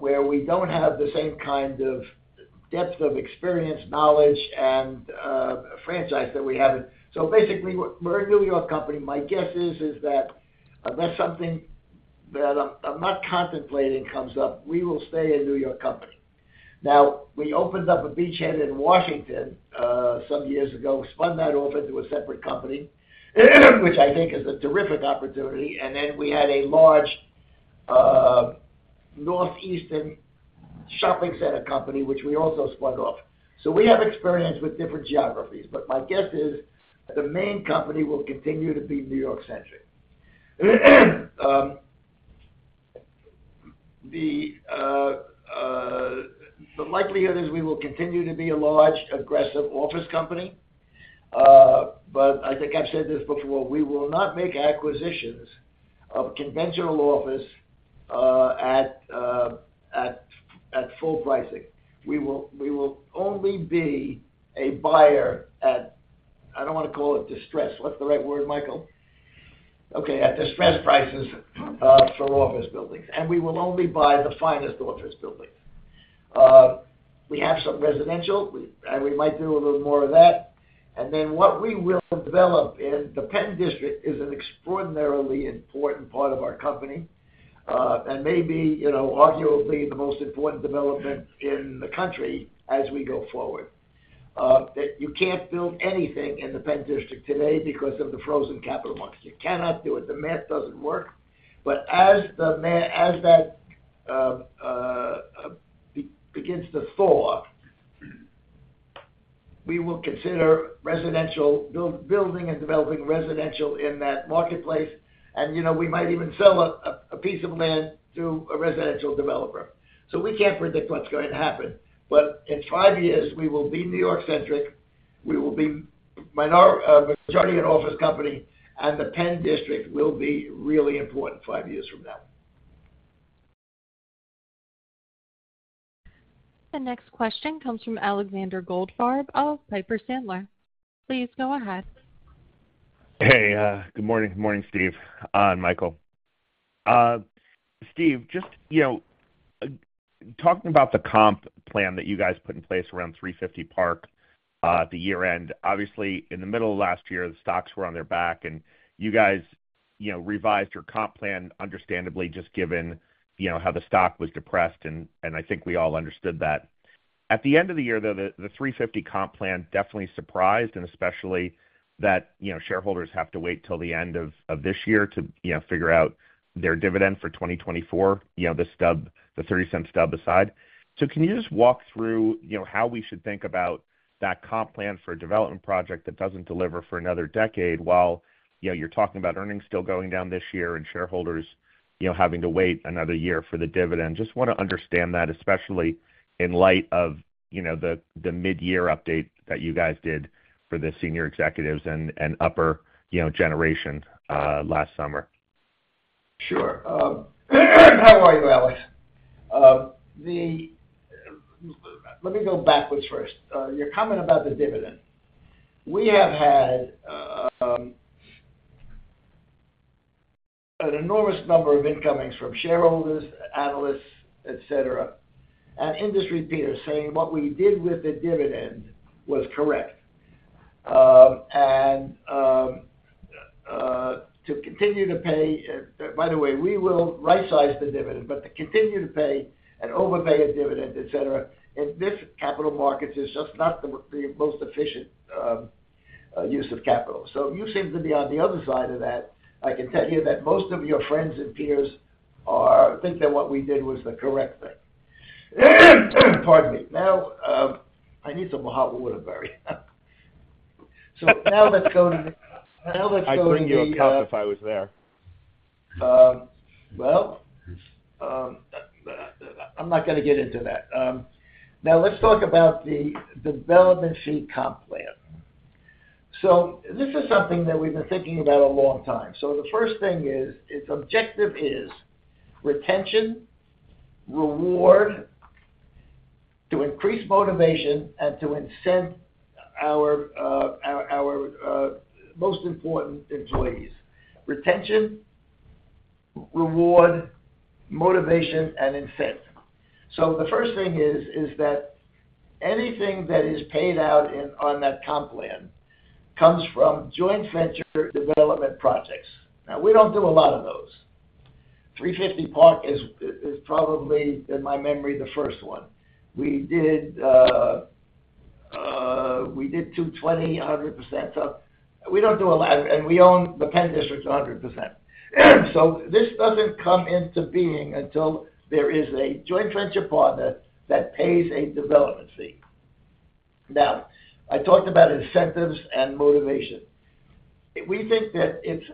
where we don't have the same kind of depth of experience, knowledge, and, franchise that we have. So basically, we're a New York company. My guess is, is that, unless something that I'm, I'm not contemplating comes up, we will stay a New York company. Now, we opened up a beachhead in Washington, some years ago, spun that off into a separate company, which I think is a terrific opportunity. And then we had a large northeastern shopping center company, which we also spun off. So we have experience with different geographies, but my guess is the main company will continue to be New York-centric. The likelihood is we will continue to be a large, aggressive office company. But I think I've said this before, we will not make acquisitions of conventional office at full pricing. We will only be a buyer at, I don't want to call it distress. What's the right word, Michael? Okay, at distressed prices for office buildings. And we will only buy the finest office buildings. We have some residential, and we might do a little more of that. Then what we will develop in the Penn District is an extraordinarily important part of our company, and maybe, you know, arguably the most important development in the country as we go forward. That you can't build anything in the Penn District today because of the frozen capital markets. You cannot do it. The math doesn't work. But as that begins to thaw, we will consider residential building and developing residential in that marketplace, and, you know, we might even sell a piece of land to a residential developer. So we can't predict what's going to happen, but in five years, we will be New York-centric, we will be minor majority an office company, and the Penn District will be really important five years from now. The next question comes from Alexander Goldfarb of Piper Sandler. Please go ahead. Hey, good morning. Good morning, Steve, and Michael. Steve, just, you know, talking about the comp plan that you guys put in place around 350 Park Avenue, at the year-end. Obviously, in the middle of last year, the stocks were on their back, and you guys, you know, revised your comp plan, understandably, just given, you know, how the stock was depressed, and, and I think we all understood that. At the end of the year, though, the, the 350 comp plan definitely surprised, and especially that, you know, shareholders have to wait till the end of, of this year to, you know, figure out their dividend for 2024, you know, the stub, the $0.30 stub aside. So can you just walk through, you know, how we should think about that comp plan for a development project that doesn't deliver for another decade, while, you know, you're talking about earnings still going down this year and shareholders, you know, having to wait another year for the dividend? Just want to understand that, especially in light of, you know, the mid-year update that you guys did for the senior executives and upper, you know, generations last summer. Sure. How are you, Alex? Let me go backwards first. Your comment about the dividend. We have had an enormous number of incomings from shareholders, analysts, et cetera, and industry peers saying what we did with the dividend was correct. And to continue to pay... By the way, we will right-size the dividend, but to continue to pay and overpay a dividend, et cetera, in this capital markets, is just not the most efficient use of capital. So you seem to be on the other side of that. I can tell you that most of your friends and peers are, think that what we did was the correct thing. Pardon me. Now, I need some hot water Barry. So now let's go to, now let's go to the. I'd bring you a cup if I was there. Well, I'm not gonna get into that. Now let's talk about the development fee comp plan. So this is something that we've been thinking about a long time. So the first thing is, its objective is retention, reward, to increase motivation, and to incent our most important employees. Retention, reward, motivation, and incent. So the first thing is that anything that is paid out in on that comp plan comes from joint venture development projects. Now, we don't do a lot of those. 350 Park is probably, in my memory, the first one. We did 220, 100% up. We don't do a lot, and we own the Penn District 100%. So this doesn't come into being until there is a joint venture partner that pays a development fee. Now, I talked about incentives and motivation. We think that it's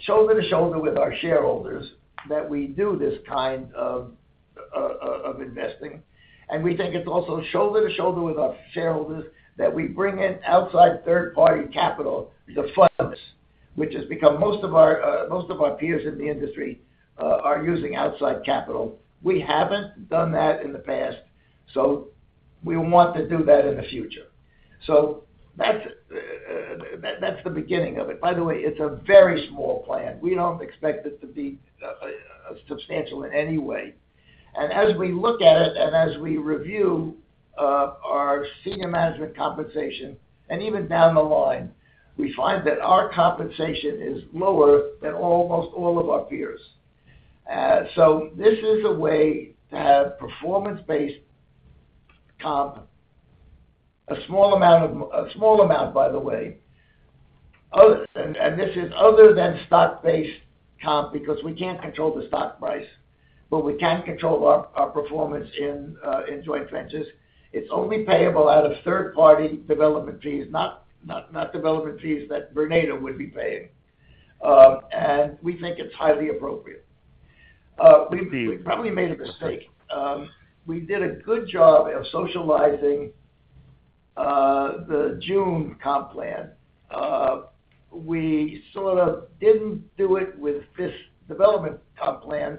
shoulder to shoulder with our shareholders, that we do this kind of of investing, and we think it's also shoulder to shoulder with our shareholders, that we bring in outside third-party capital to fund us, which has become most of our, most of our peers in the industry, are using outside capital. We haven't done that in the past, so we want to do that in the future. So that's, that's the beginning of it. By the way, it's a very small plan. We don't expect it to be substantial in any way. And as we look at it, and as we review, our senior management compensation and even down the line, we find that our compensation is lower than almost all of our peers. So this is a way to have performance-based comp, a small amount of... A small amount, by the way, and this is other than stock-based comp, because we can't control the stock price, but we can control our performance in joint ventures. It's only payable out of third-party development fees, not development fees that Vornado would be paying. And we think it's highly appropriate. We probably made a mistake. We did a good job of socializing the June comp plan. We sort of didn't do it with this development comp plan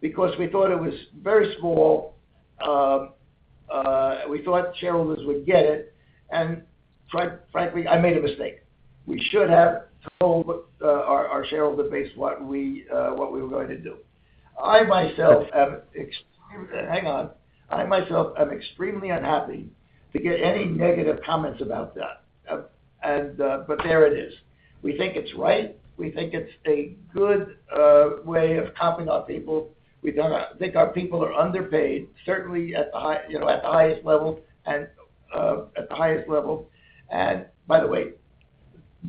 because we thought it was very small. We thought shareholders would get it, and frankly, I made a mistake. We should have told our shareholder base what we were going to do. I myself am ex-- Hang on. I myself am extremely unhappy to get any negative comments about that. But there it is. We think it's right. We think it's a good way of comping our people. We think our people are underpaid, certainly at the high, you know, at the highest level and at the highest level. And by the way,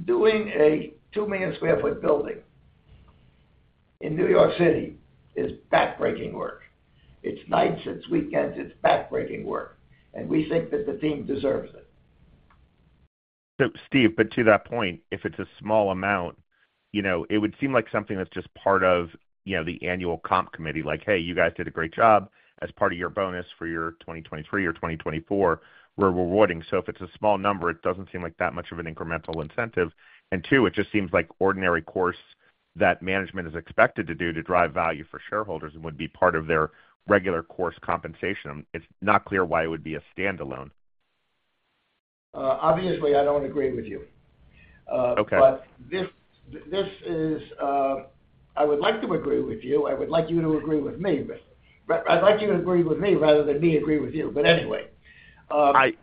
doing a 2 million sq ft building in New York City is backbreaking work. It's nights, it's weekends, it's backbreaking work, and we think that the team deserves it. So, Steve, but to that point, if it's a small amount, you know, it would seem like something that's just part of, you know, the annual comp committee. Like, "Hey, you guys did a great job. As part of your bonus for your 2023 or 2024, we're rewarding." So if it's a small number, it doesn't seem like that much of an incremental incentive. And two, it just seems like ordinary course that management is expected to do to drive value for shareholders and would be part of their regular course compensation. It's not clear why it would be a standalone. Obviously, I don't agree with you. Okay. But this, this is, I would like to agree with you. I would like you to agree with me, but I'd like you to agree with me rather than me agree with you. But anyway, I-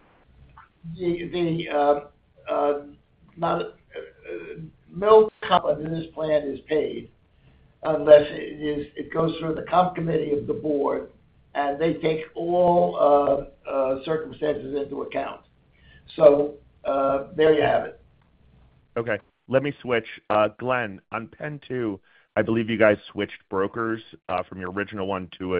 No comp in this plan is paid unless it goes through the comp committee of the board, and they take all circumstances into account. So, there you have it. Okay, let me switch. Glen, on PENN 2, I believe you guys switched brokers from your original one to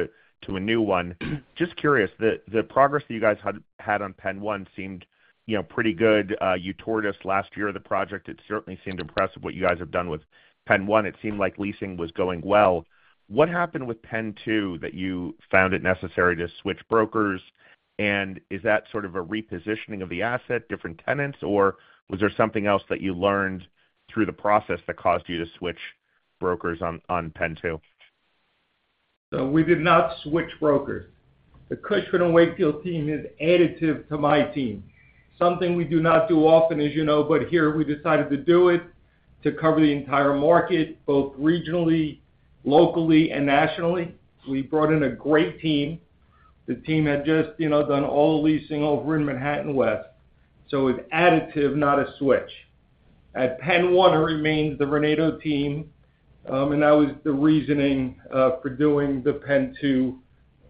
a new one. Just curious, the progress that you guys had on PENN 1 seemed, you know, pretty good. You toured us last year of the project. It certainly seemed impressive what you guys have done with PENN 1. It seemed like leasing was going well. What happened with PENN 2 that you found it necessary to switch brokers?... is that sort of a repositioning of the asset, different tenants, or was there something else that you learned through the process that caused you to switch brokers on PENN 2? So we did not switch brokers. The Cushman & Wakefield team is additive to my team. Something we do not do often, as you know, but here we decided to do it, to cover the entire market, both regionally, locally, and nationally. We brought in a great team. The team had just, you know, done all the leasing over in Manhattan West, so it's additive, not a switch. At PENN 1, it remains the Renato team, and that was the reasoning for doing the PENN 2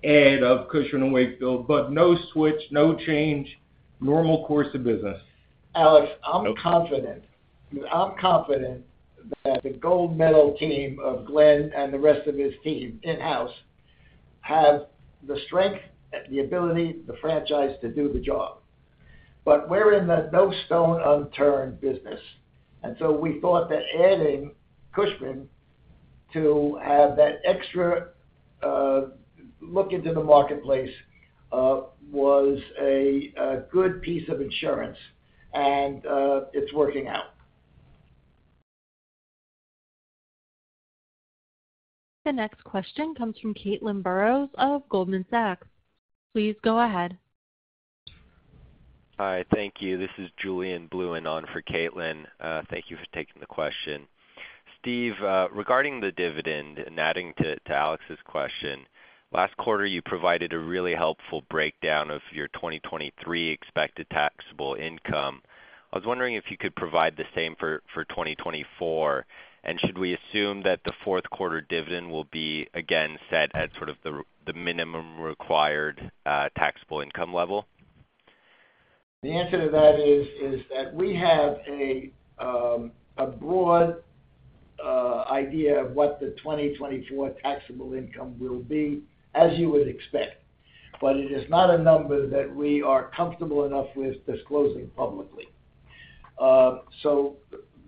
add of Cushman & Wakefield. But no switch, no change, normal course of business. Alex, I'm confident. I'm confident that the gold medal team of Glenn and the rest of his team, in-house, have the strength, the ability, the franchise to do the job. But we're in the no stone unturned business, and so we thought that adding Cushman to have that extra look into the marketplace was a good piece of insurance, and it's working out. The next question comes from Caitlin Burrows of Goldman Sachs. Please go ahead. Hi, thank you. This is Julian Blouin in for Caitlin. Thank you for taking the question. Steve, regarding the dividend, and adding to Alex's question, last quarter, you provided a really helpful breakdown of your 2023 expected taxable income. I was wondering if you could provide the same for 2024, and should we assume that the fourth quarter dividend will be again set at sort of the minimum required taxable income level? The answer to that is that we have a broad idea of what the 2024 taxable income will be, as you would expect, but it is not a number that we are comfortable enough with disclosing publicly. So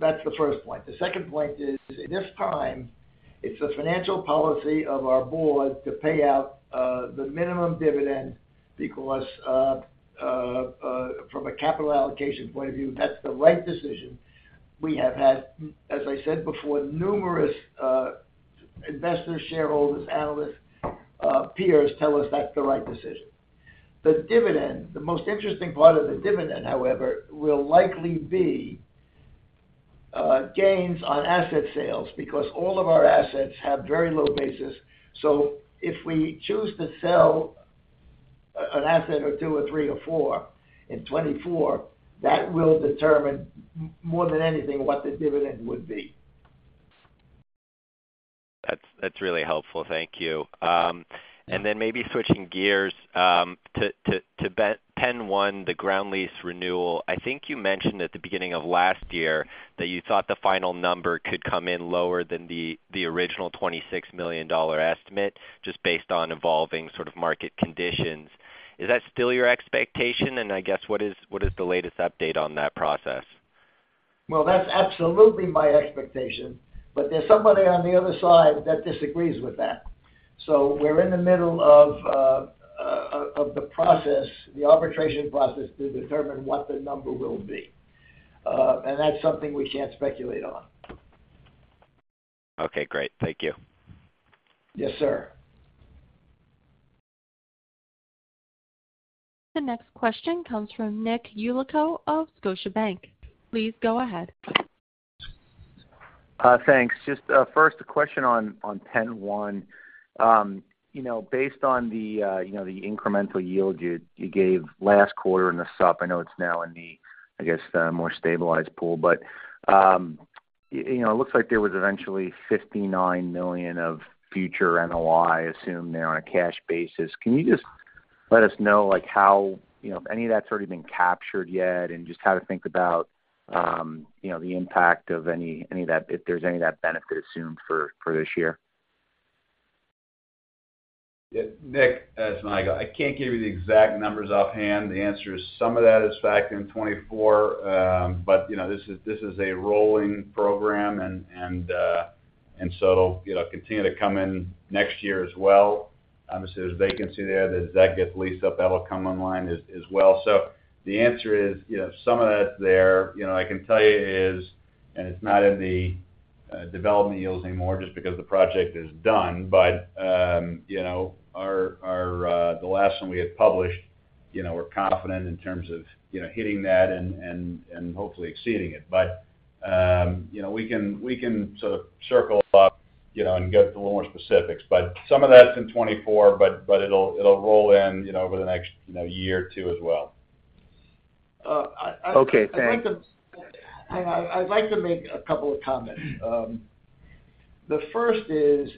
that's the first point. The second point is, at this time, it's a financial policy of our board to pay out the minimum dividend because from a capital allocation point of view, that's the right decision. We have had, as I said before, numerous investors, shareholders, analysts, peers, tell us that's the right decision. The dividend, the most interesting part of the dividend, however, will likely be gains on asset sales, because all of our assets have very low bases. So if we choose to sell an asset or two or three or four in 2024, that will determine more than anything what the dividend would be. That's really helpful. Thank you. And then maybe switching gears to PENN 1, the ground lease renewal. I think you mentioned at the beginning of last year that you thought the final number could come in lower than the original $26 million estimate, just based on evolving sort of market conditions. Is that still your expectation? And I guess, what is the latest update on that process? Well, that's absolutely my expectation, but there's somebody on the other side that disagrees with that. So we're in the middle of the process, the arbitration process, to determine what the number will be. And that's something we can't speculate on. Okay, great. Thank you. Yes, sir. The next question comes from Nick Yulico of Scotiabank. Please go ahead. Thanks. Just, first, a question on PENN 1. You know, based on the, you know, the incremental yield you gave last quarter in the Supp., I know it's now in the, I guess, the more stabilized pool, but, you know, it looks like there was eventually $59 million of future NOI, assumed they're on a cash basis. Can you just let us know, like, how... You know, any of that's already been captured yet, and just how to think about, you know, the impact of any, any of that, if there's any of that benefit assumed for, for this year? Yeah, Nick, it's Michael. I can't give you the exact numbers offhand. The answer is, some of that is factored in 2024, but, you know, this is a rolling program, and so it'll, you know, continue to come in next year as well. Obviously, there's vacancy there, as that gets leased up, that'll come online as well. So the answer is, you know, some of that's there. You know, I can tell you is, and it's not in the development yields anymore, just because the project is done. But, you know, the last one we had published, you know, we're confident in terms of, you know, hitting that and hopefully exceeding it. But, you know, we can sort of circle up, you know, and get into a little more specifics. But some of that's in 2024, but, but it'll, it'll roll in, you know, over the next, you know, year or two as well. Uh, I- Okay, thanks. I'd like to— Hang on. I'd like to make a couple of comments. The first is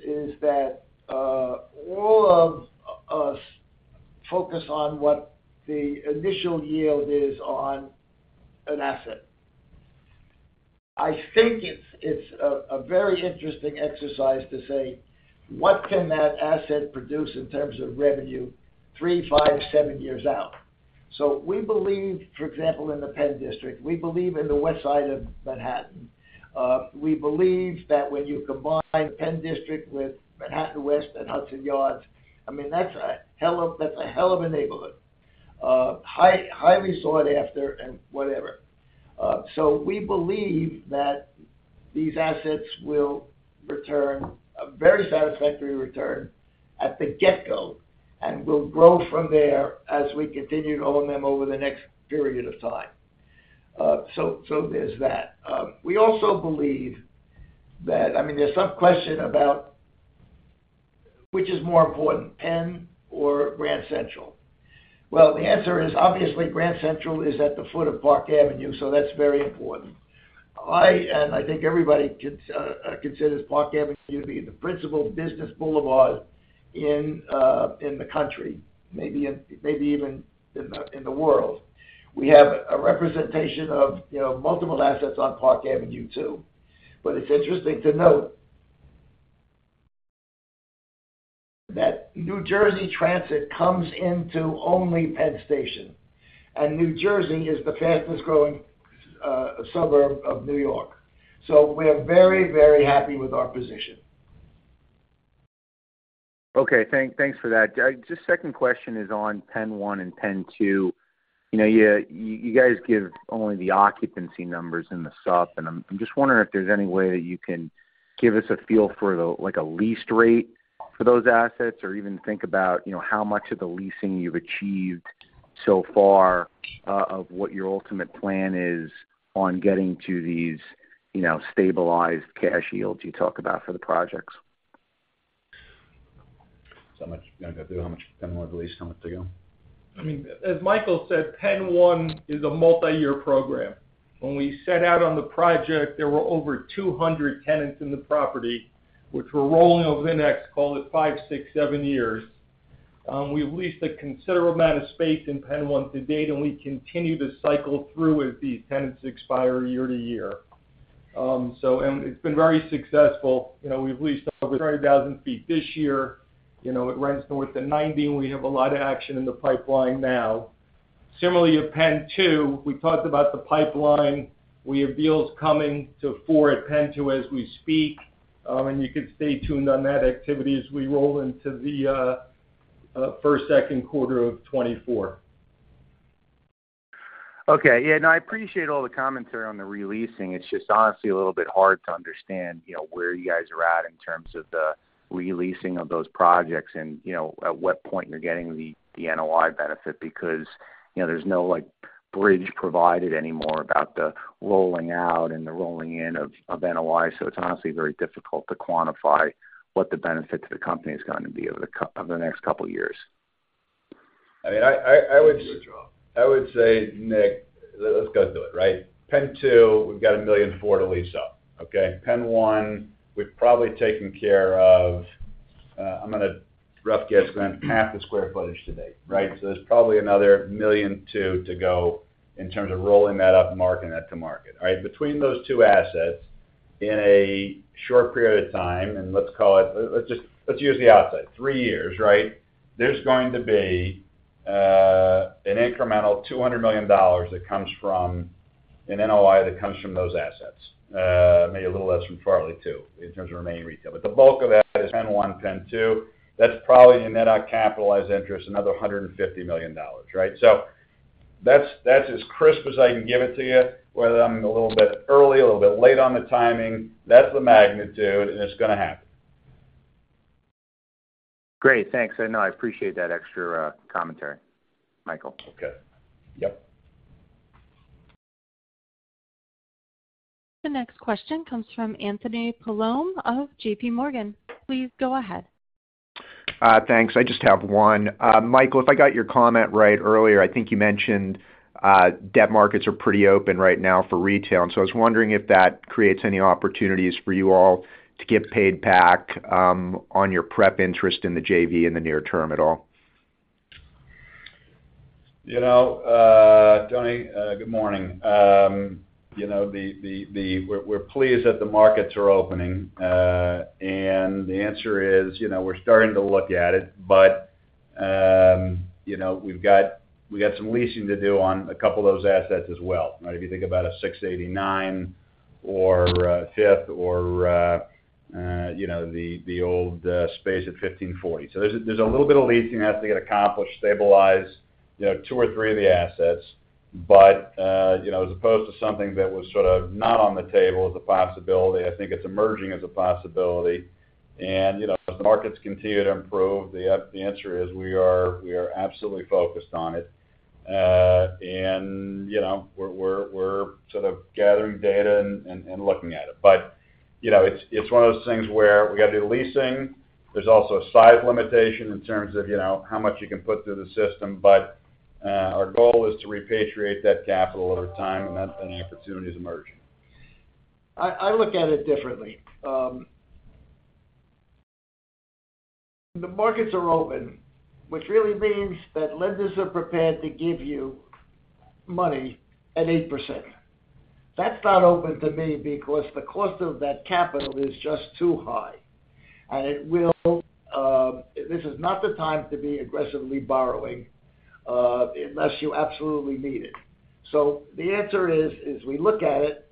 that all of us focus on what the initial yield is on an asset. I think it's a very interesting exercise to say, what can that asset produce in terms of revenue, three, five, seven years out? So we believe, for example, in the Penn District, we believe in the West Side of Manhattan. We believe that when you combine Penn District with Manhattan West and Hudson Yards, I mean, that's a hell of a neighborhood. Highly sought after and whatever. So we believe that these assets will return a very satisfactory return at the get-go, and will grow from there as we continue to own them over the next period of time. So there's that. We also believe that, I mean, there's some question about which is more important, Penn or Grand Central? Well, the answer is, obviously, Grand Central is at the foot of Park Avenue, so that's very important. I, and I think everybody considers Park Avenue to be the principal business boulevard in the country, maybe in, maybe even in the world. We have a representation of, you know, multiple assets on Park Avenue, too. But it's interesting to note that New Jersey Transit comes into only Penn Station, and New Jersey is the fastest-growing suburb of New York. So we are very, very happy with our position. Okay, thanks for that. Just second question is on PENN 1 and PENN 2. You know, you guys give only the occupancy numbers in the sup, and I'm just wondering if there's any way that you can give us a feel for the, like, a lease rate for those assets, or even think about, you know, how much of the leasing you've achieved so far, of what your ultimate plan is on getting to these, you know, stabilized cash yields you talk about for the projects? How much you gonna go through? How much PENN 1 lease, how much to go? I mean, as Michael said, PENN 1 is a multi-year program. When we set out on the project, there were over 200 tenants in the property, which were rolling over the next, call it five, six, seven years. We've leased a considerable amount of space in PENN 1 to date, and we continue to cycle through as these tenants expire year to year. So and it's been very successful. You know, we've leased over 30,000 sq ft this year. You know, it runs north of 90%, and we have a lot of action in the pipeline now. Similarly, at PENN 2, we talked about the pipeline. We have deals coming to fore at PENN 2 as we speak, and you can stay tuned on that activity as we roll into the first, second quarter of 2024. Okay, yeah, no, I appreciate all the commentary on the re-leasing. It's just honestly a little bit hard to understand, you know, where you guys are at in terms of the re-leasing of those projects and, you know, at what point you're getting the, the NOI benefit, because, you know, there's no, like, bridge provided anymore about the rolling out and the rolling in of, of NOI. So it's honestly very difficult to quantify what the benefit to the company is gonna be over the next couple of years. I mean, I would- Good job. I would say, Nick, let's go through it, right? PENN 2, we've got 1.4 million to lease up, okay? PENN 1, we've probably taken care of, I'm gonna rough guess, going half the square footage to date, right? So there's probably another 1.2 million to go in terms of rolling that up and marking that to market, right? Between those two assets, in a short period of time, and let's just use the outside, three years, right? There's going to be an incremental $200 million that comes from an NOI that comes from those assets, maybe a little less from Farley, too, in terms of remaining retail. But the bulk of that is PENN 1, PENN 2. That's probably a net on capitalized interest, another $150 million, right? So that's, that's as crisp as I can give it to you. Whether I'm a little bit early, a little bit late on the timing, that's the magnitude, and it's gonna happen. Great, thanks. I know, I appreciate that extra commentary, Michael. Okay. Yep. The next question comes from Anthony Paolone of J.P. Morgan. Please go ahead. Thanks. I just have one. Michael, if I got your comment right earlier, I think you mentioned debt markets are pretty open right now for retail, and so I was wondering if that creates any opportunities for you all to get paid back on your prep interest in the JV in the near term at all? You know, Tony, good morning. You know, we're pleased that the markets are opening, and the answer is, you know, we're starting to look at it. But, you know, we've got some leasing to do on a couple of those assets as well. Right, if you think about 689 Fifth or Fifth or, you know, the old space at 1540. So there's a little bit of leasing that has to get accomplished, stabilize, you know, two or three of the assets. But, you know, as opposed to something that was sort of not on the table as a possibility, I think it's emerging as a possibility. And, you know, as the markets continue to improve, the answer is we are absolutely focused on it. You know, we're sort of gathering data and looking at it. But you know, it's one of those things where we got to do leasing. There's also a size limitation in terms of, you know, how much you can put through the system. But our goal is to repatriate that capital over time, and that and opportunities emerging. I look at it differently. The markets are open, which really means that lenders are prepared to give you money at 8%. That's not open to me because the cost of that capital is just too high, and it will, this is not the time to be aggressively borrowing, unless you absolutely need it. So the answer is, we look at it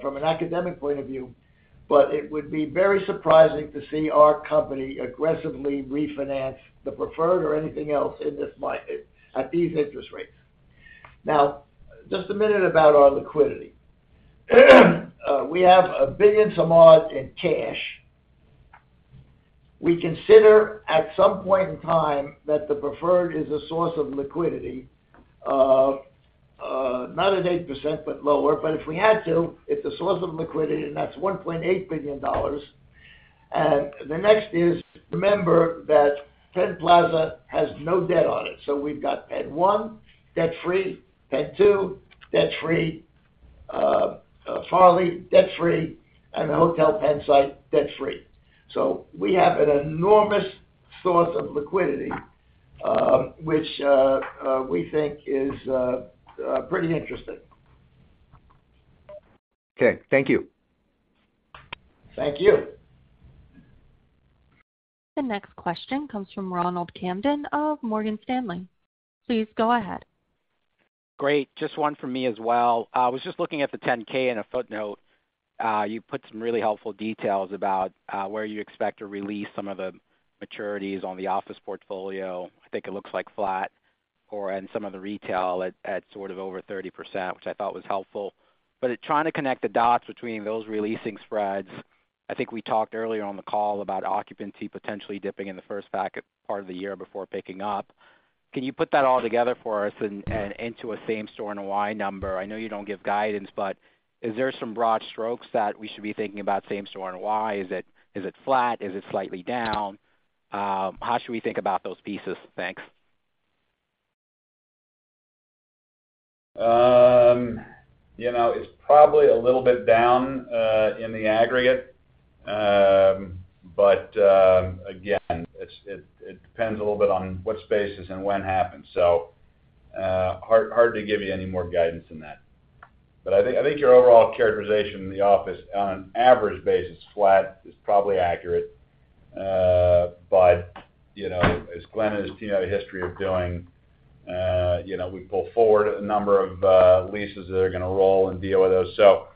from an academic point of view, but it would be very surprising to see our company aggressively refinance the preferred or anything else in this market at these interest rates. Now, just a minute about our liquidity. We have $1 billion-some-odd in cash. We consider, at some point in time, that the preferred is a source of liquidity, not at 8%, but lower. But if we had to, it's a source of liquidity, and that's $1.8 billion. The next is, remember that Penn Plaza has no debt on it. We've got PENN 1, debt-free, PENN 2, debt-free, Farley, debt-free, and the Hotel Penn site, debt-free. We have an enormous source of liquidity, which we think is pretty interesting. Okay, thank you. Thank you. The next question comes from Ronald Kamdem of Morgan Stanley. Please go ahead. Great. Just one from me as well. I was just looking at the 10-K, in a footnote, you put some really helpful details about, where you expect to release some of the maturities on the office portfolio. I think it looks like flat or, and some of the retail at, sort of over 30%, which I thought was helpful. But in trying to connect the dots between those releasing spreads, I think we talked earlier on the call about occupancy potentially dipping in the first part of the year before picking up. Can you put that all together for us and, into a same-store NOI number? I know you don't give guidance, but is there some broad strokes that we should be thinking about same-store NOI? Is it, is it flat? Is it slightly down? How should we think about those pieces? Thanks. You know, it's probably a little bit down in the aggregate. But again, it depends a little bit on what spaces and when happens. So, hard to give you any more guidance than that. But I think your overall characterization in the office on an average basis, flat, is probably accurate. But you know, as Glenn and his team have a history of doing, you know, we pull forward a number of leases that are going to roll and deal with those. So,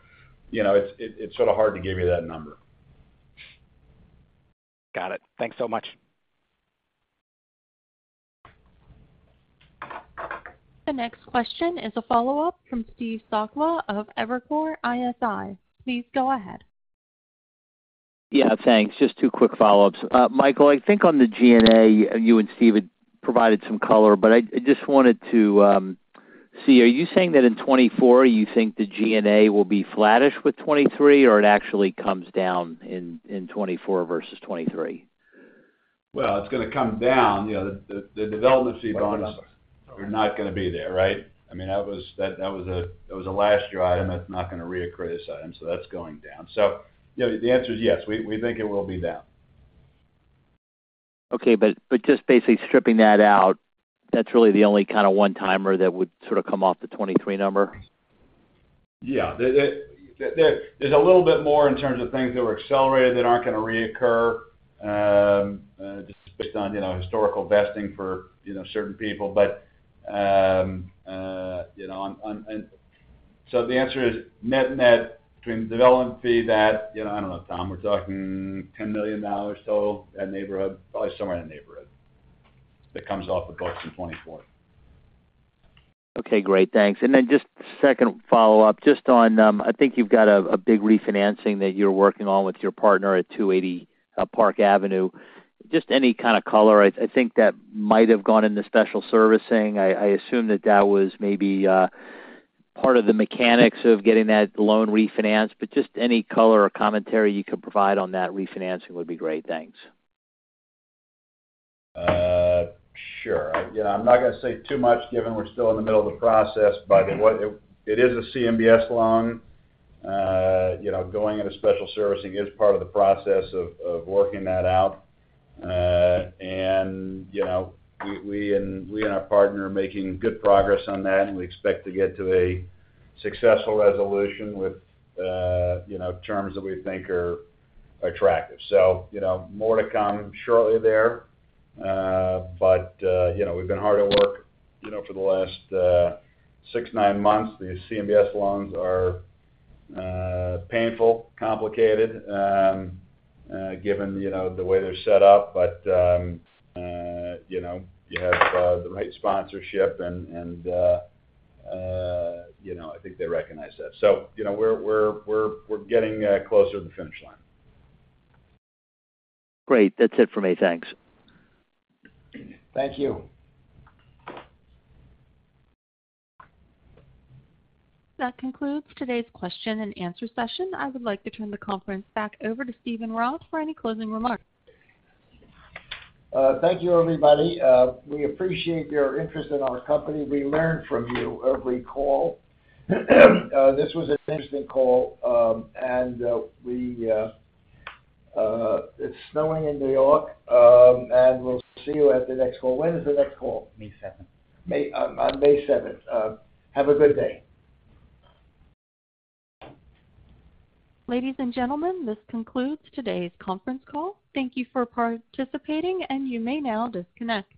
you know, it's sort of hard to give you that number. Got it. Thanks so much. The next question is a follow-up from Steve Sakwa of Evercore ISI. Please go ahead. Yeah, thanks. Just two quick follow-ups. Michael, I think on the G&A, you and Steve had provided some color, but I, I just wanted to see, are you saying that in 2024, you think the G&A will be flattish with 2023, or it actually comes down in 2024 versus 2023? Well, it's gonna come down. You know, the development fee bonus are not going to be there, right? I mean, that was a last-year item, that's not going to reoccur this year, so that's going down. So yeah, the answer is yes. We think it will be down. Okay, but, but just basically stripping that out, that's really the only kind of one-timer that would sort of come off the 2023 number? Yeah. There's a little bit more in terms of things that were accelerated that aren't going to reoccur, just based on, you know, historical vesting for, you know, certain people. But, you know, so the answer is net-net between development fee that, you know, I don't know, Tom, we're talking $10 million, so that neighborhood, probably somewhere in that neighborhood, that comes off the books in 2024. Okay, great. Thanks. And then just second follow-up, just on, I think you've got a big refinancing that you're working on with your partner at 280 Park Avenue. Just any kind of color. I think that might have gone into special servicing. I assume that that was maybe part of the mechanics of getting that loan refinanced, but just any color or commentary you could provide on that refinancing would be great. Thanks. Sure. Again, I'm not going to say too much, given we're still in the middle of the process, but it is a CMBS loan. You know, going into special servicing is part of the process of working that out. And, you know, we and our partner are making good progress on that, and we expect to get to a successful resolution with, you know, terms that we think are attractive. So, you know, more to come shortly there. But, you know, we've been hard at work, you know, for the last six-nine months. These CMBS loans are painful, complicated, given, you know, the way they're set up. But, you know, you have the right sponsorship, and, you know, I think they recognize that. You know, we're getting closer to the finish line. Great. That's it for me. Thanks. Thank you. That concludes today's question and answer session. I would like to turn the conference back over to Steven Roth for any closing remarks. Thank you, everybody. We appreciate your interest in our company. We learn from you every call. This was an interesting call, and it's snowing in New York, and we'll see you at the next call. When is the next call? May seventh. May on May seventh. Have a good day. Ladies and gentlemen, this concludes today's conference call. Thank you for participating, and you may now disconnect.